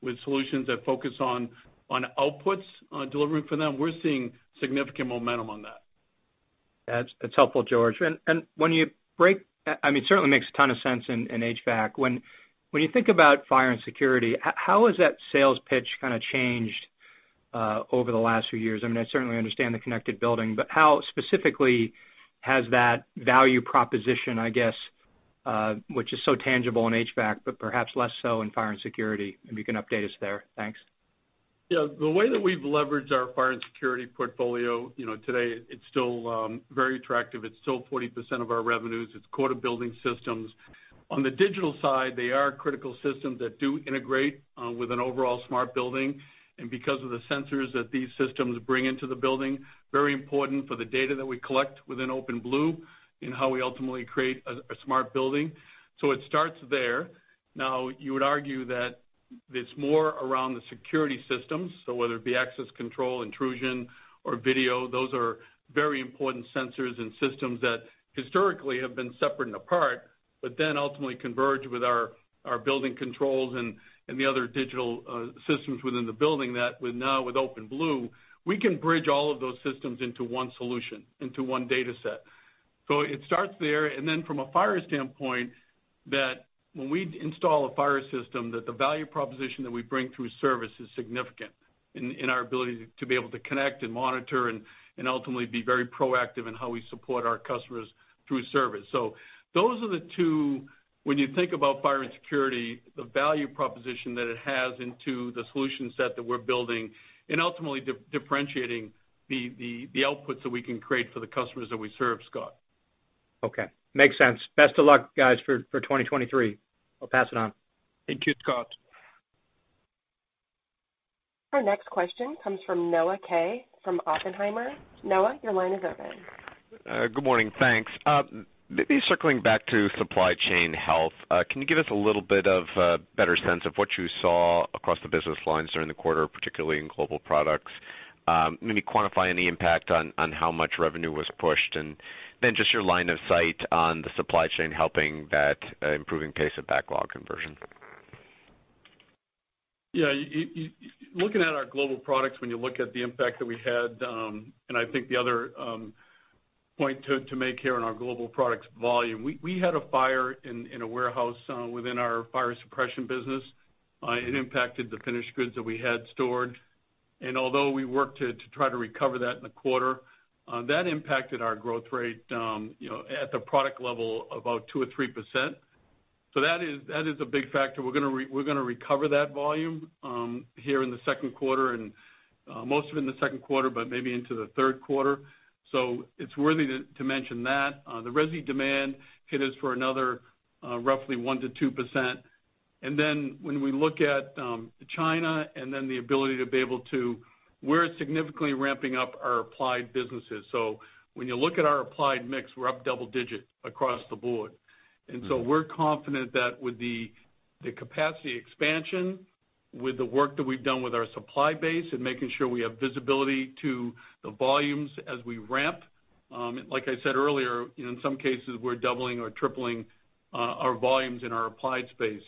with solutions that focus on outputs, on delivering for them, we're seeing significant momentum on that. That's helpful, George. When you break... I mean, it certainly makes a ton of sense in HVAC. When you think about fire and security, how has that sales pitch kinda changed over the last few years? I mean, I certainly understand the connected building, how specifically has that value proposition, I guess, which is so tangible in HVAC, but perhaps less so in fire and security, if you can update us there. Thanks. Yeah. The way that we've leveraged our fire and security portfolio, you know, today it's still very attractive. It's still 40% of our revenues. It's core to building systems. On the digital side, they are critical systems that do integrate with an overall smart building. Because of the sensors that these systems bring into the building, very important for the data that we collect within OpenBlue in how we ultimately create a smart building. It starts there. Now, you would argue that it's more around the security systems. Whether it be access control, intrusion, or video, those are very important sensors and systems that historically have been separate and apart, but then ultimately converge with our building controls and the other digital systems within the building that with now with OpenBlue, we can bridge all of those systems into one solution, into one data set. It starts there. From a fire standpoint, that when we install a fire system, that the value proposition that we bring through service is significant in our ability to be able to connect and monitor and ultimately be very proactive in how we support our customers through service. those are the two, when you think about fire and security, the value proposition that it has into the solution set that we're building and ultimately differentiating the outputs that we can create for the customers that we serve, Scott. Okay. Makes sense. Best of luck, guys, for 2023. I'll pass it on. Thank you, Scott. Our next question comes from Noah Kaye, from Oppenheimer. Noah, your line is open. Good morning. Thanks. Maybe circling back to supply chain health. Can you give us a little bit of a better sense of what you saw across the business lines during the quarter, particularly in global products? Maybe quantify any impact on how much revenue was pushed, and then just your line of sight on the supply chain helping that, improving pace of backlog conversion. Yeah. Looking at our global products, when you look at the impact that we had, and I think the other point to make here on our global products volume, we had a fire in a warehouse within our fire suppression business. It impacted the finished goods that we had stored. Although we worked to try to recover that in the quarter, that impacted our growth rate, you know, at the product level, about 2% or 3%. That is a big factor. We're gonna recover that volume here in the second quarter and most of it in the second quarter, but maybe into the third quarter. It's worthy to mention that. The resi demand hit us for another roughly 1%-2%. When we look at China. We're significantly ramping up our applied businesses. When you look at our applied mix, we're up double digits across the board. We're confident that with the capacity expansion, with the work that we've done with our supply base and making sure we have visibility to the volumes as we ramp, like I said earlier, you know, in some cases we're doubling or tripling our volumes in our applied space.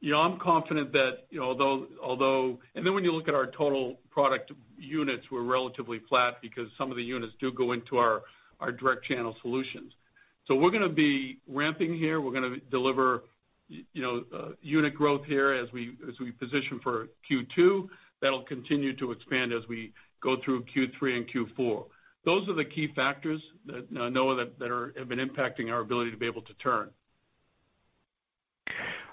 You know, I'm confident that, you know, although. When you look at our total product units, we're relatively flat because some of the units do go into our direct channel solutions. We're gonna be ramping here. We're gonna deliver, you know, unit growth here as we, as we position for Q2. That'll continue to expand as we go through Q3 and Q4. Those are the key factors that, Noah, that have been impacting our ability to be able to turn.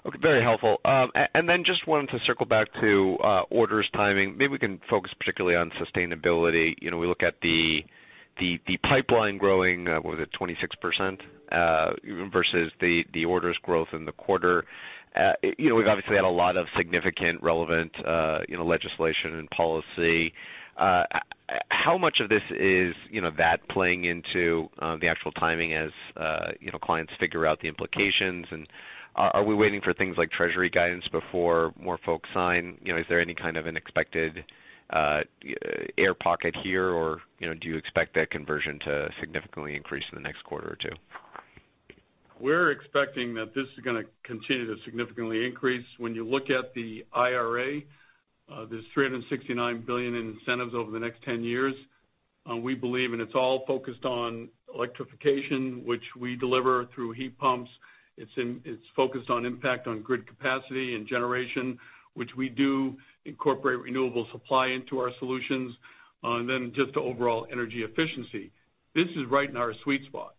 Okay. Very helpful. Then just wanted to circle back to orders timing. Maybe we can focus particularly on sustainability. You know, we look at the pipeline growing, was it 26%, versus the orders growth in the quarter. You know, we've obviously had a lot of significant relevant, you know, legislation and policy. How much of this is, you know, that playing into the actual timing as, you know, clients figure out the implications? Are we waiting for things like treasury guidance before more folks sign? You know, is there any kind of unexpected air pocket here, or, you know, do you expect that conversion to significantly increase in the next quarter or two? We're expecting that this is gonna continue to significantly increase. When you look at the IRA, there's $369 billion in incentives over the next 10 years. We believe it's all focused on electrification, which we deliver through heat pumps. It's focused on impact on grid capacity and generation, which we do incorporate renewable supply into our solutions, just the overall energy efficiency. This is right in our sweet spot.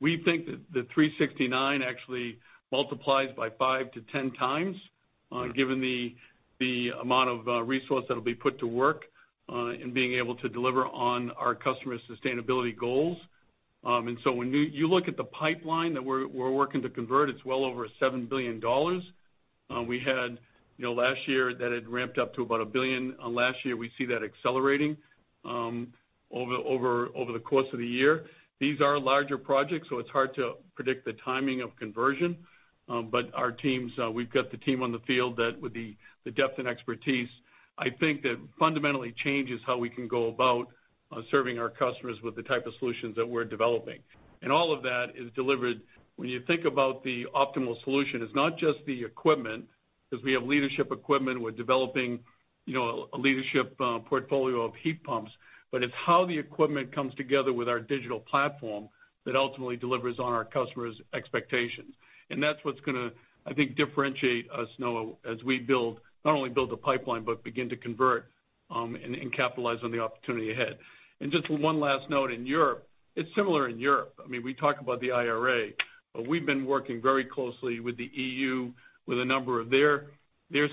We think that the $369 actually multiplies by 5 to 10x, given the amount of resource that'll be put to work in being able to deliver on our customers' sustainability goals. When you look at the pipeline that we're working to convert, it's well over $7 billion. We had, you know, last year that had ramped up to about $1 billion. Last year, we see that accelerating over the course of the year. These are larger projects, so it's hard to predict the timing of conversion. Our teams, we've got the team on the field that with the depth and expertise. I think that fundamentally changes how we can go about serving our customers with the type of solutions that we're developing. All of that is delivered. When you think about the optimal solution, it's not just the equipment, because we have leadership equipment, we're developing, you know, a leadership portfolio of heat pumps, but it's how the equipment comes together with our digital platform that ultimately delivers on our customers' expectations. That's what's gonna, I think, differentiate us, Noah, as we build, not only build the pipeline, but begin to convert, and capitalize on the opportunity ahead. Just one last note in Europe. It's similar in Europe. I mean, we talk about the IRA, but we've been working very closely with the EU, with a number of their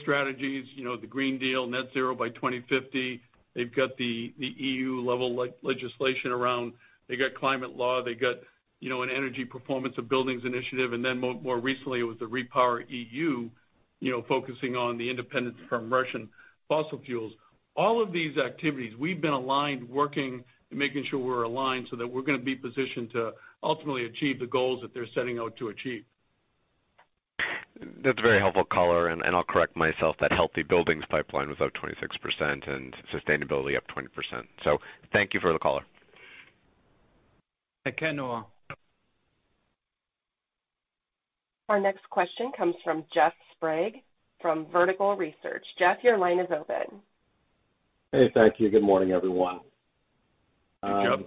strategies, you know, the Green Deal, net zero by 2050. They've got the EU-level legislation around. They got Climate Law. They got, you know, an Energy Performance of Buildings initiative, and then more recently, it was the REPowerEU, you know, focusing on the independence from Russian fossil fuels. All of these activities, we've been aligned, working and making sure we're aligned so that we're gonna be positioned to ultimately achieve the goals that they're setting out to achieve. That's very helpful, color. I'll correct myself, that healthy buildings pipeline was up 26% and sustainability up 20%. Thank you for the color. Thank you, Noah. Our next question comes from Jeff Sprague from Vertical Research. Jeff, your line is open. Hey, thank you. Good morning, everyone. Hey, Jeff.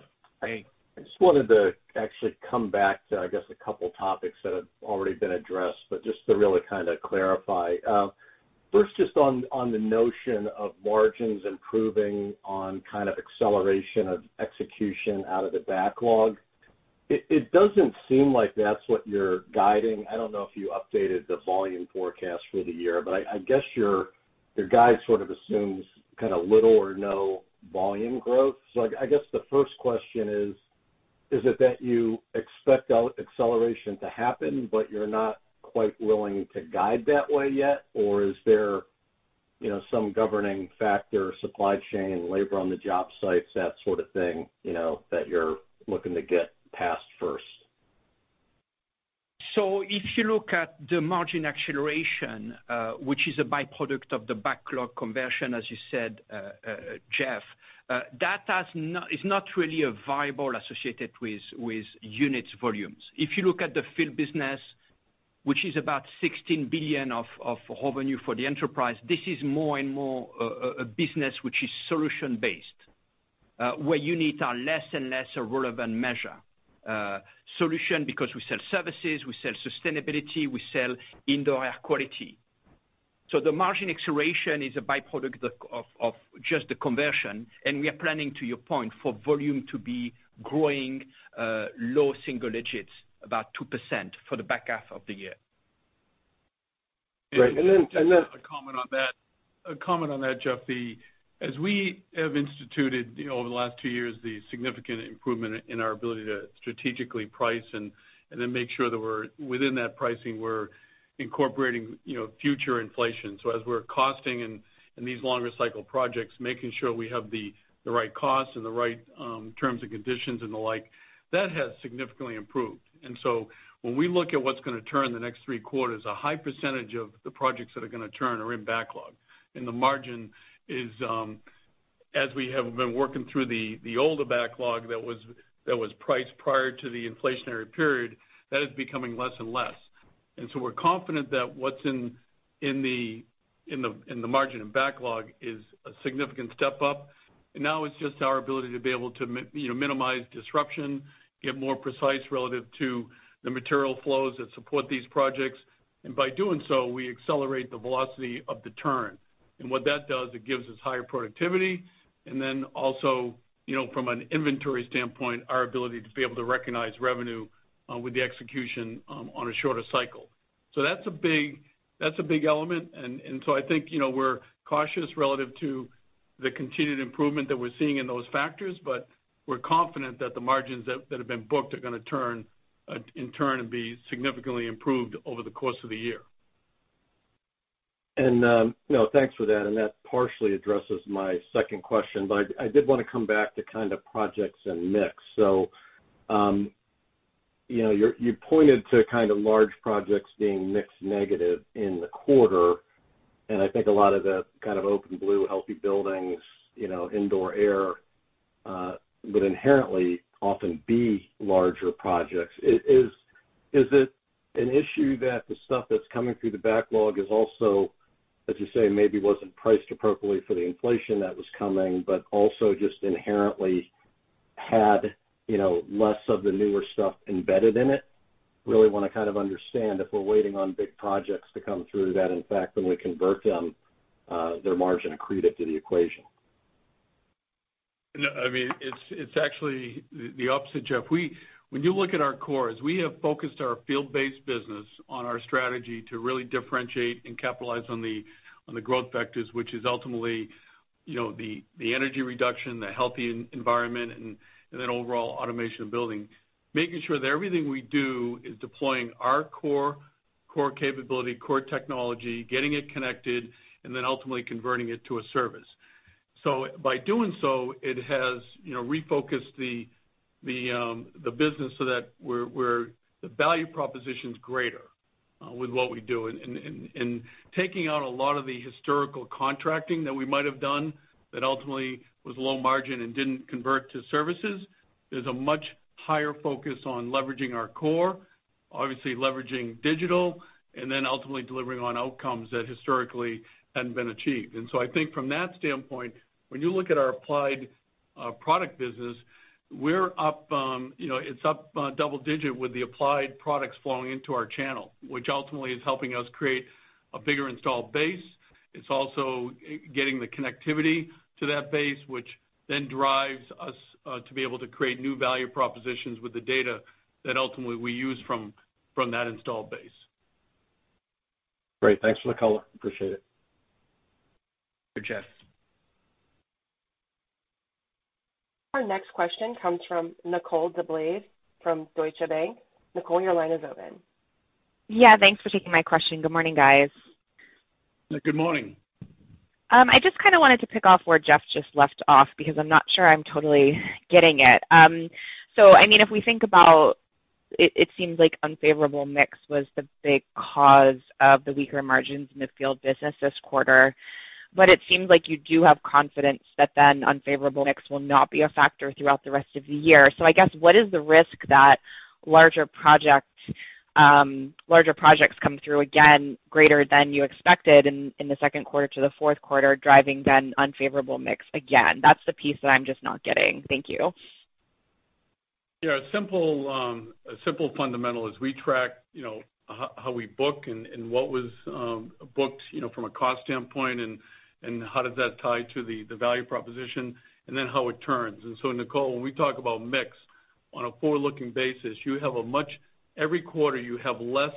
Hey. I just wanted to actually come back to, I guess, a couple topics that have already been addressed, but just to really kinda clarify. First, just on the notion of margins improving on kind of acceleration of execution out of the backlog. It doesn't seem like that's what you're guiding. I don't know if you updated the volume forecast for the year, but I guess your guide sort of assumes kinda little or no volume growth. I guess the first question is it that you expect acceleration to happen, but you're not quite willing to guide that way yet? Or is there, you know, some governing factor, supply chain, labor on the job sites, that sort of thing, you know, that you're looking to get past first? If you look at the margin acceleration, which is a by-product of the backlog conversion, as you said, Jeff, that has it's not really a variable associated with unit volumes. If you look at the field business, which is about $16 billion of revenue for the enterprise, this is more and more a business which is solution-based, where units are less and less a relevant measure. Solution because we sell services, we sell sustainability, we sell Indoor Air Quality. The margin acceleration is a by-product of just the conversion, and we are planning, to your point, for volume to be growing, low single digits, about 2% for the back half of the year. Right. Then. Just a comment on that. A comment on that, Jeff. As we have instituted, you know, over the last two years, the significant improvement in our ability to strategically price and then make sure that we're, within that pricing, we're incorporating, you know, future inflation. As we're costing in these longer cycle projects, making sure we have the right costs and the right terms and conditions and the like, that has significantly improved. When we look at what's gonna turn the next three quarters, a high percentage of the projects that are gonna turn are in backlog. The margin is as we have been working through the older backlog that was priced prior to the inflationary period, that is becoming less and less. We're confident that what's in the margin and backlog is a significant step up. Now it's just our ability to be able to, you know, minimize disruption, get more precise relative to the material flows that support these projects. By doing so, we accelerate the velocity of the turn. What that does, it gives us higher productivity, and then also, you know, from an inventory standpoint, our ability to be able to recognize revenue with the execution on a shorter cycle. That's a big element. I think, you know, we're cautious relative to the continued improvement that we're seeing in those factors, but we're confident that the margins that have been booked are gonna turn in turn and be significantly improved over the course of the year. You know, thanks for that, and that partially addresses my second question. I did wanna come back to kind of projects and mix. You know, you pointed to kind of large projects being mixed negative in the quarter, and I think a lot of the kind of OpenBlue healthy buildings, you know, indoor air would inherently often be larger projects. Is it an issue that the stuff that's coming through the backlog is also, as you say, maybe wasn't priced appropriately for the inflation that was coming, but also just inherently had, you know, less of the newer stuff embedded in it? Really wanna kind of understand if we're waiting on big projects to come through that. In fact, when we convert them, their margin accreted to the equation. No, I mean, it's actually the opposite, Jeff. When you look at our cores, we have focused our field-based business on our strategy to really differentiate and capitalize on the growth vectors, which is ultimately, you know, the energy reduction, the healthy environment and then overall automation of building. Making sure that everything we do is deploying our core capability, core technology, getting it connected, and then ultimately converting it to a service. By doing so, it has, you know, refocused the business so that the value proposition's greater with what we do. Taking out a lot of the historical contracting that we might have done that ultimately was low margin and didn't convert to services, is a much higher focus on leveraging our core. Obviously leveraging digital, then ultimately delivering on outcomes that historically hadn't been achieved. I think from that standpoint, when you look at our applied product business, we're up, you know, it's up double-digit with the applied products flowing into our channel. Ultimately is helping us create a bigger installed base. It's also getting the connectivity to that base, which then drives us to be able to create new value propositions with the data that ultimately we use from that installed base. Great. Thanks for the color. Appreciate it. Sure. Jeff. Our next question comes from Nicole DeBlase from Deutsche Bank. Nicole, your line is open. Yeah, thanks for taking my question. Good morning, guys. Good morning. I just kind of wanted to pick off where Jeff just left off because I'm not sure I'm totally getting it. I mean, if we think about, it seems like unfavorable mix was the big cause of the weaker margins in the field business this quarter, but it seems like you do have confidence that then unfavorable mix will not be a factor throughout the rest of the year. I guess what is the risk that larger projects come through again greater than you expected in the second quarter to the fourth quarter, driving then unfavorable mix again? That's the piece that I'm just not getting. Thank you. Yeah. A simple, a simple fundamental is we track, you know, how we book and what was booked, you know, from a cost standpoint and how does that tie to the value proposition then how it turns. Nicole, when we talk about mix on a forward-looking basis, every quarter, you have less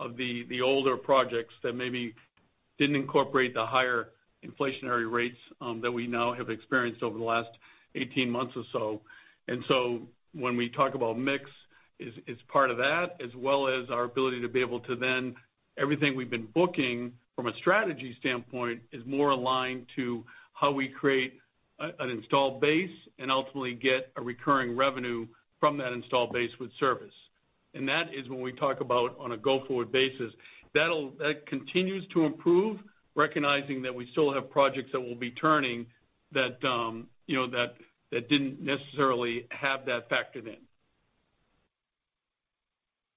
of the older projects that maybe didn't incorporate the higher inflationary rates that we now have experienced over the last 18 months or so. When we talk about mix, is part of that as well as our ability to be able to. Everything we've been booking from a strategy standpoint is more aligned to how we create an installed base and ultimately get a recurring revenue from that installed base with service. That is when we talk about on a go-forward basis. That continues to improve, recognizing that we still have projects that will be turning that, you know, that didn't necessarily have that factored in.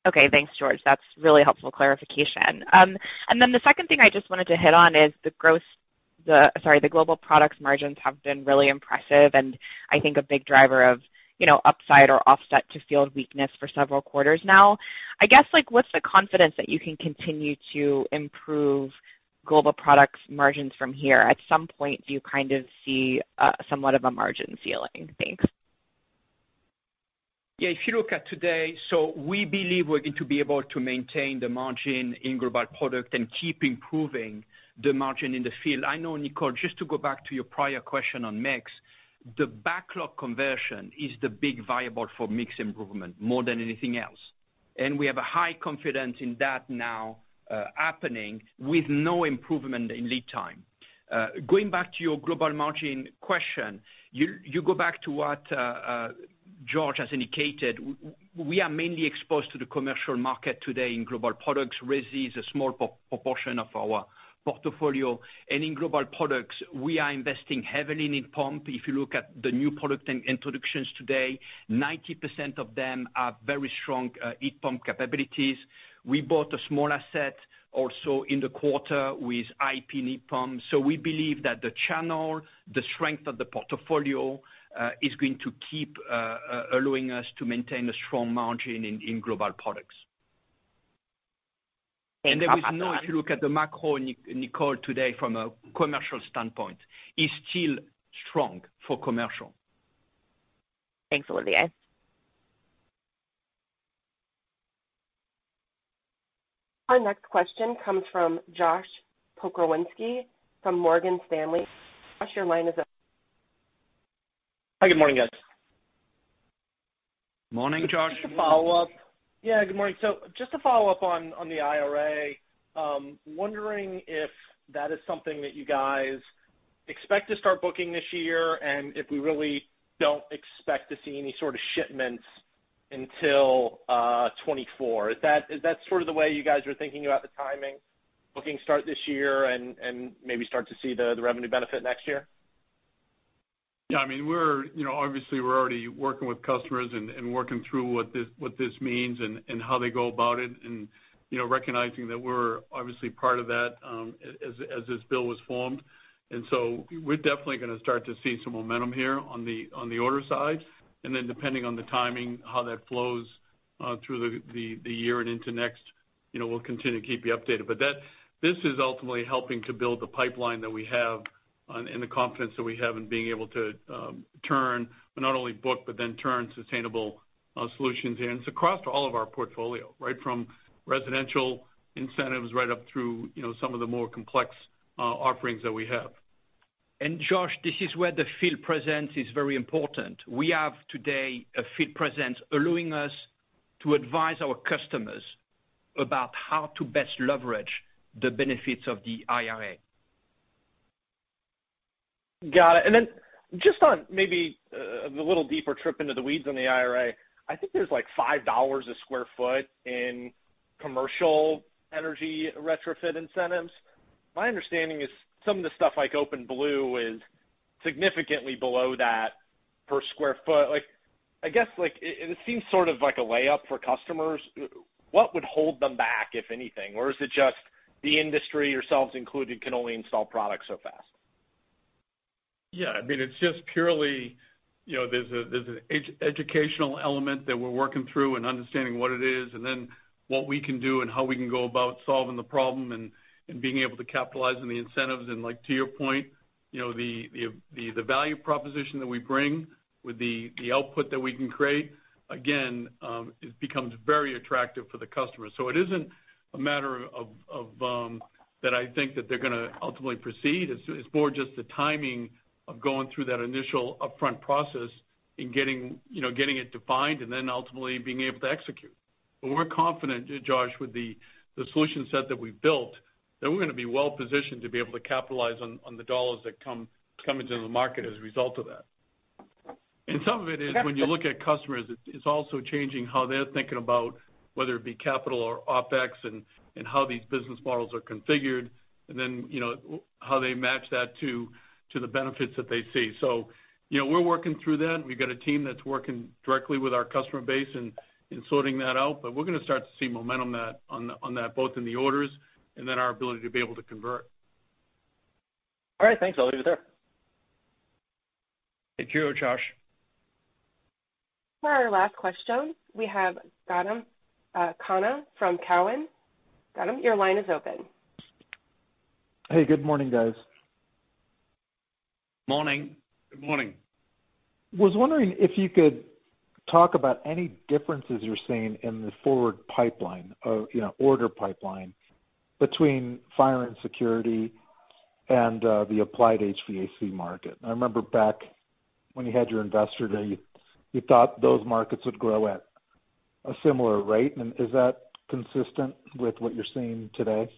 Okay. Thanks, George. That's really helpful clarification. The second thing I just wanted to hit on is the global products margins have been really impressive and I think a big driver of, you know, upside or offset to field weakness for several quarters now. I guess, like, what's the confidence that you can continue to improve global products margins from here? At some point, do you kind of see, somewhat of a margin ceiling? Thanks. Yeah, if you look at today, we believe we're going to be able to maintain the margin in global product and keep improving the margin in the field. I know, Nicole DeBlase, just to go back to your prior question on mix, the backlog conversion is the big variable for mix improvement more than anything else. We have a high confidence in that now happening with no improvement in lead time. Going back to your global margin question, you go back to what George Oliver has indicated. We are mainly exposed to the commercial market today in global products. Resi is a small proportion of our portfolio. In global products, we are investing heavily in heat pump. If you look at the new product introductions today, 90% of them are very strong heat pump capabilities. We bought a small asset also in the quarter with Hybrid Energy AS. We believe that the channel, the strength of the portfolio, is going to keep allowing us to maintain a strong margin in global products. If you look at the macro, Nicole, today from a commercial standpoint, is still strong for commercial. Thanks a lot, guys. Our next question comes from Josh Pokrzywinski from Morgan Stanley. Josh, your line is open. Hi. Good morning, guys. Morning, Josh. Just a follow-up. Yeah, good morning. Just to follow up on the IRA, wondering if that is something that you guys expect to start booking this year, and if we really don't expect to see any sort of shipments until 2024. Is that sort of the way you guys are thinking about the timing, booking start this year and maybe start to see the revenue benefit next year? Yeah. I mean, we're, you know, obviously we're already working with customers and working through what this, what this means and how they go about it. You know, recognizing that we're obviously part of that, as this bill was formed. We're definitely gonna start to see some momentum here on the, on the order side. Depending on the timing, how that flows, through the, the year and into next, you know, we'll continue to keep you updated. This is ultimately helping to build the pipeline that we have and the confidence that we have in being able to, turn, not only book, but then turn sustainable, solutions here. It's across all of our portfolio, right from residential incentives right up through, you know, some of the more complex, offerings that we have. Josh, this is where the field presence is very important. We have today a field presence allowing us to advise our customers. About how to best leverage the benefits of the IRA. Got it. Then just on maybe a little deeper trip into the weeds on the IRA. I think there's $5 a sq ft in commercial energy retrofit incentives. My understanding is some of the stuff like OpenBlue is significantly below that per sq ft. I guess, it seems sort of like a layup for customers. What would hold them back, if anything? Or is it just the industry, yourselves included, can only install products so fast? Yeah, I mean, it's just purely, you know, there's an educational element that we're working through and understanding what it is, and then what we can do and how we can go about solving the problem and being able to capitalize on the incentives. Like, to your point, you know, the value proposition that we bring with the output that we can create, again, it becomes very attractive for the customer. It isn't a matter of that I think that they're gonna ultimately proceed. It's more just the timing of going through that initial upfront process in getting, you know, getting it defined and then ultimately being able to execute. We're confident, Josh, with the solution set that we've built, that we're gonna be well positioned to be able to capitalize on the dollars that come into the market as a result of that. Some of it is when you look at customers, it's also changing how they're thinking about whether it be capital or OpEx and how these business models are configured, and then, you know, how they match that to the benefits that they see. You know, we're working through that. We've got a team that's working directly with our customer base and sorting that out, but we're gonna start to see momentum that on that, both in the orders and then our ability to be able to convert. All right. Thanks, I'll leave it there. Thank you, Josh. For our last question, we have Gautam Khanna from Cowen. Gautam, your line is open. Hey, good morning, guys. Morning. Good morning. Was wondering if you could talk about any differences you're seeing in the forward pipeline of, you know, order pipeline between fire and security and the applied HVAC market. I remember back when you had your investor day, you thought those markets would grow at a similar rate. Is that consistent with what you're seeing today?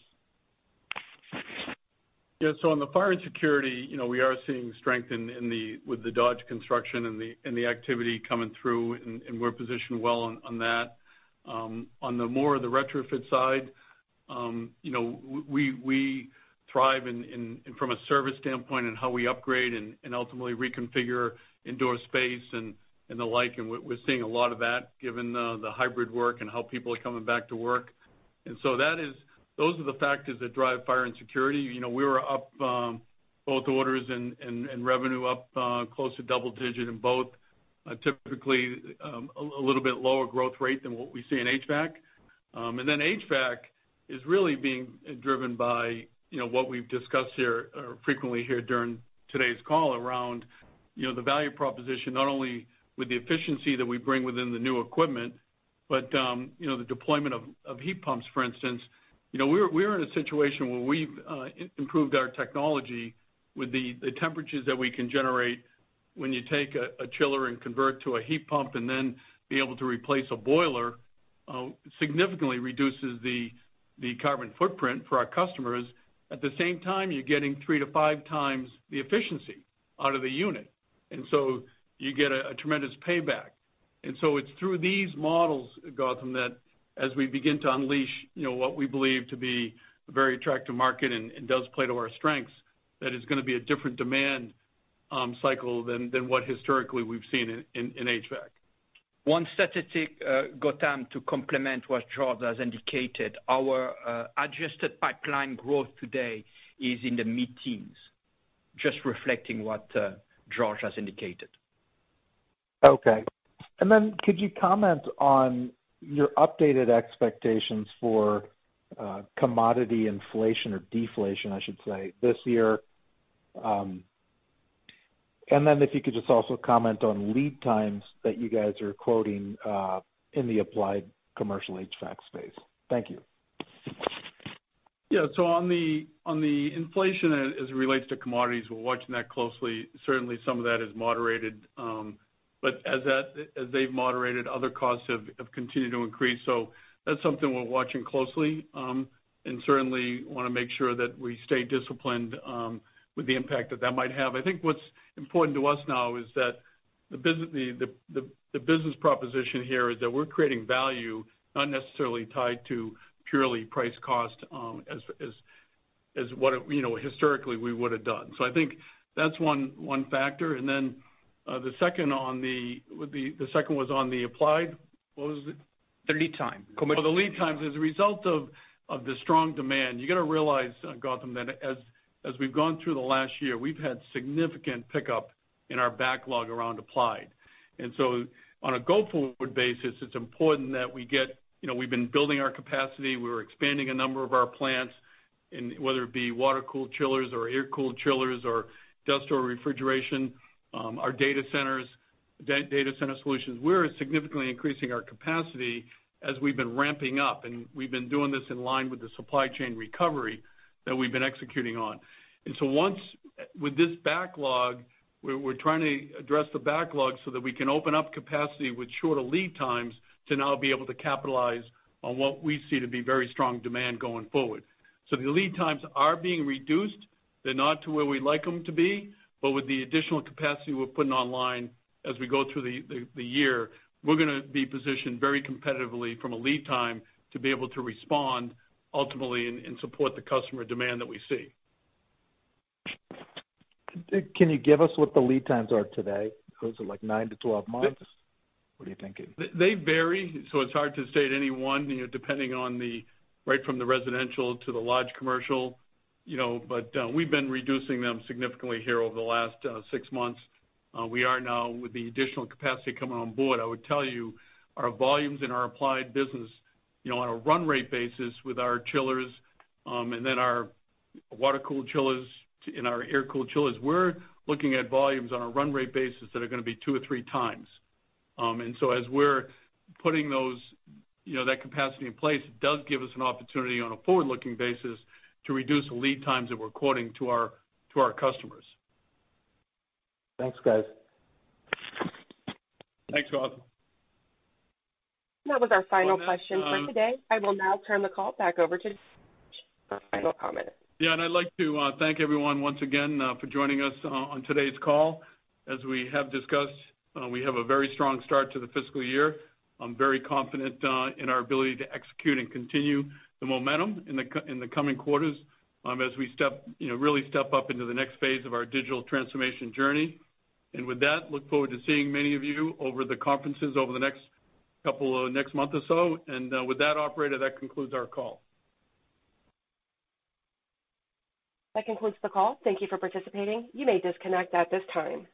On the fire and security, you know, we are seeing strength with the Dodge Construction Network and the activity coming through, and we're positioned well on that. On the more of the retrofit side, you know, we thrive from a service standpoint and how we upgrade and ultimately reconfigure indoor space and the like. We're seeing a lot of that given the hybrid work and how people are coming back to work. Those are the factors that drive fire and security. You know, we were up, both orders and revenue up, close to double-digit in both. Typically, a little bit lower growth rate than what we see in HVAC. HVAC is really being driven by, you know, what we've discussed here or frequently here during today's call around, you know, the value proposition, not only with the efficiency that we bring within the new equipment, but, you know, the deployment of heat pumps, for instance. You know, we're in a situation where we've improved our technology with the temperatures that we can generate when you take a chiller and convert to a heat pump and then be able to replace a boiler, significantly reduces the carbon footprint for our customers. At the same time, you're getting 3 to 5x the efficiency out of the unit. You get a tremendous payback. It's through these models, Gautam, that as we begin to unleash, you know, what we believe to be a very attractive market and does play to our strengths, that it's gonna be a different demand, cycle than what historically we've seen in HVAC. One statistic, Gautam, to complement what George has indicated. Our adjusted pipeline growth today is in the mid-teens, just reflecting what George has indicated. Could you comment on your updated expectations for commodity inflation or deflation, I should say, this year, and if you could just also comment on lead times that you guys are quoting in the applied commercial HVAC space? Thank you. Yeah. On the, on the inflation as it relates to commodities, we're watching that closely. Certainly, some of that has moderated. As they've moderated, other costs have continued to increase. That's something we're watching closely, and certainly wanna make sure that we stay disciplined with the impact that that might have. I think what's important to us now is that the business proposition here is that we're creating value not necessarily tied to purely price cost, as what, you know, historically we would have done. I think that's one factor. Then the second was on the applied. What was it? The lead time commitment. Oh, the lead times. As a result of the strong demand, you got to realize, Gautam, that as we've gone through the last year, we've had significant pickup in our backlog around applied. On a go forward basis, it's important that we get... You know, we've been building our capacity. We're expanding a number of our plants, and whether it be water-cooled chillers or air-cooled chillers or dust or refrigeration, our data centers, data center solutions. We're significantly increasing our capacity as we've been ramping up, and we've been doing this in line with the supply chain recovery that we've been executing on. With this backlog, we're trying to address the backlog so that we can open up capacity with shorter lead times to now be able to capitalize on what we see to be very strong demand going forward. The lead times are being reduced. They're not to where we'd like them to be, but with the additional capacity we're putting online as we go through the year, we're gonna be positioned very competitively from a lead time to be able to respond ultimately and support the customer demand that we see. Can you give us what the lead times are today? Is it like nine to 12 months? What are you thinking? They vary, so it's hard to state any one, you know, depending on the right from the residential to the large commercial, you know. We've been reducing them significantly here over the last six months. We are now with the additional capacity coming on board, I would tell you our volumes in our applied business, you know, on a run rate basis with our chillers, and then our water-cooled chillers and our air-cooled chillers, we're looking at volumes on a run rate basis that are going to be 2 or 3x. As we're putting those, you know, that capacity in place, it does give us an opportunity on a forward-looking basis to reduce the lead times that we're quoting to our customers. Thanks, guys. Thanks, Gautam. That was our final question for today. I will now turn the call back over to for final comment. Yeah, I'd like to thank everyone once again for joining us on today's call. As we have discussed, we have a very strong start to the fiscal year. I'm very confident in our ability to execute and continue the momentum in the coming quarters, as we step, you know, really step up into the next phase of our digital transformation journey. With that, look forward to seeing many of you over the conferences over the next month or so. With that operator, that concludes our call. That concludes the call. Thank you for participating. You may disconnect at this time.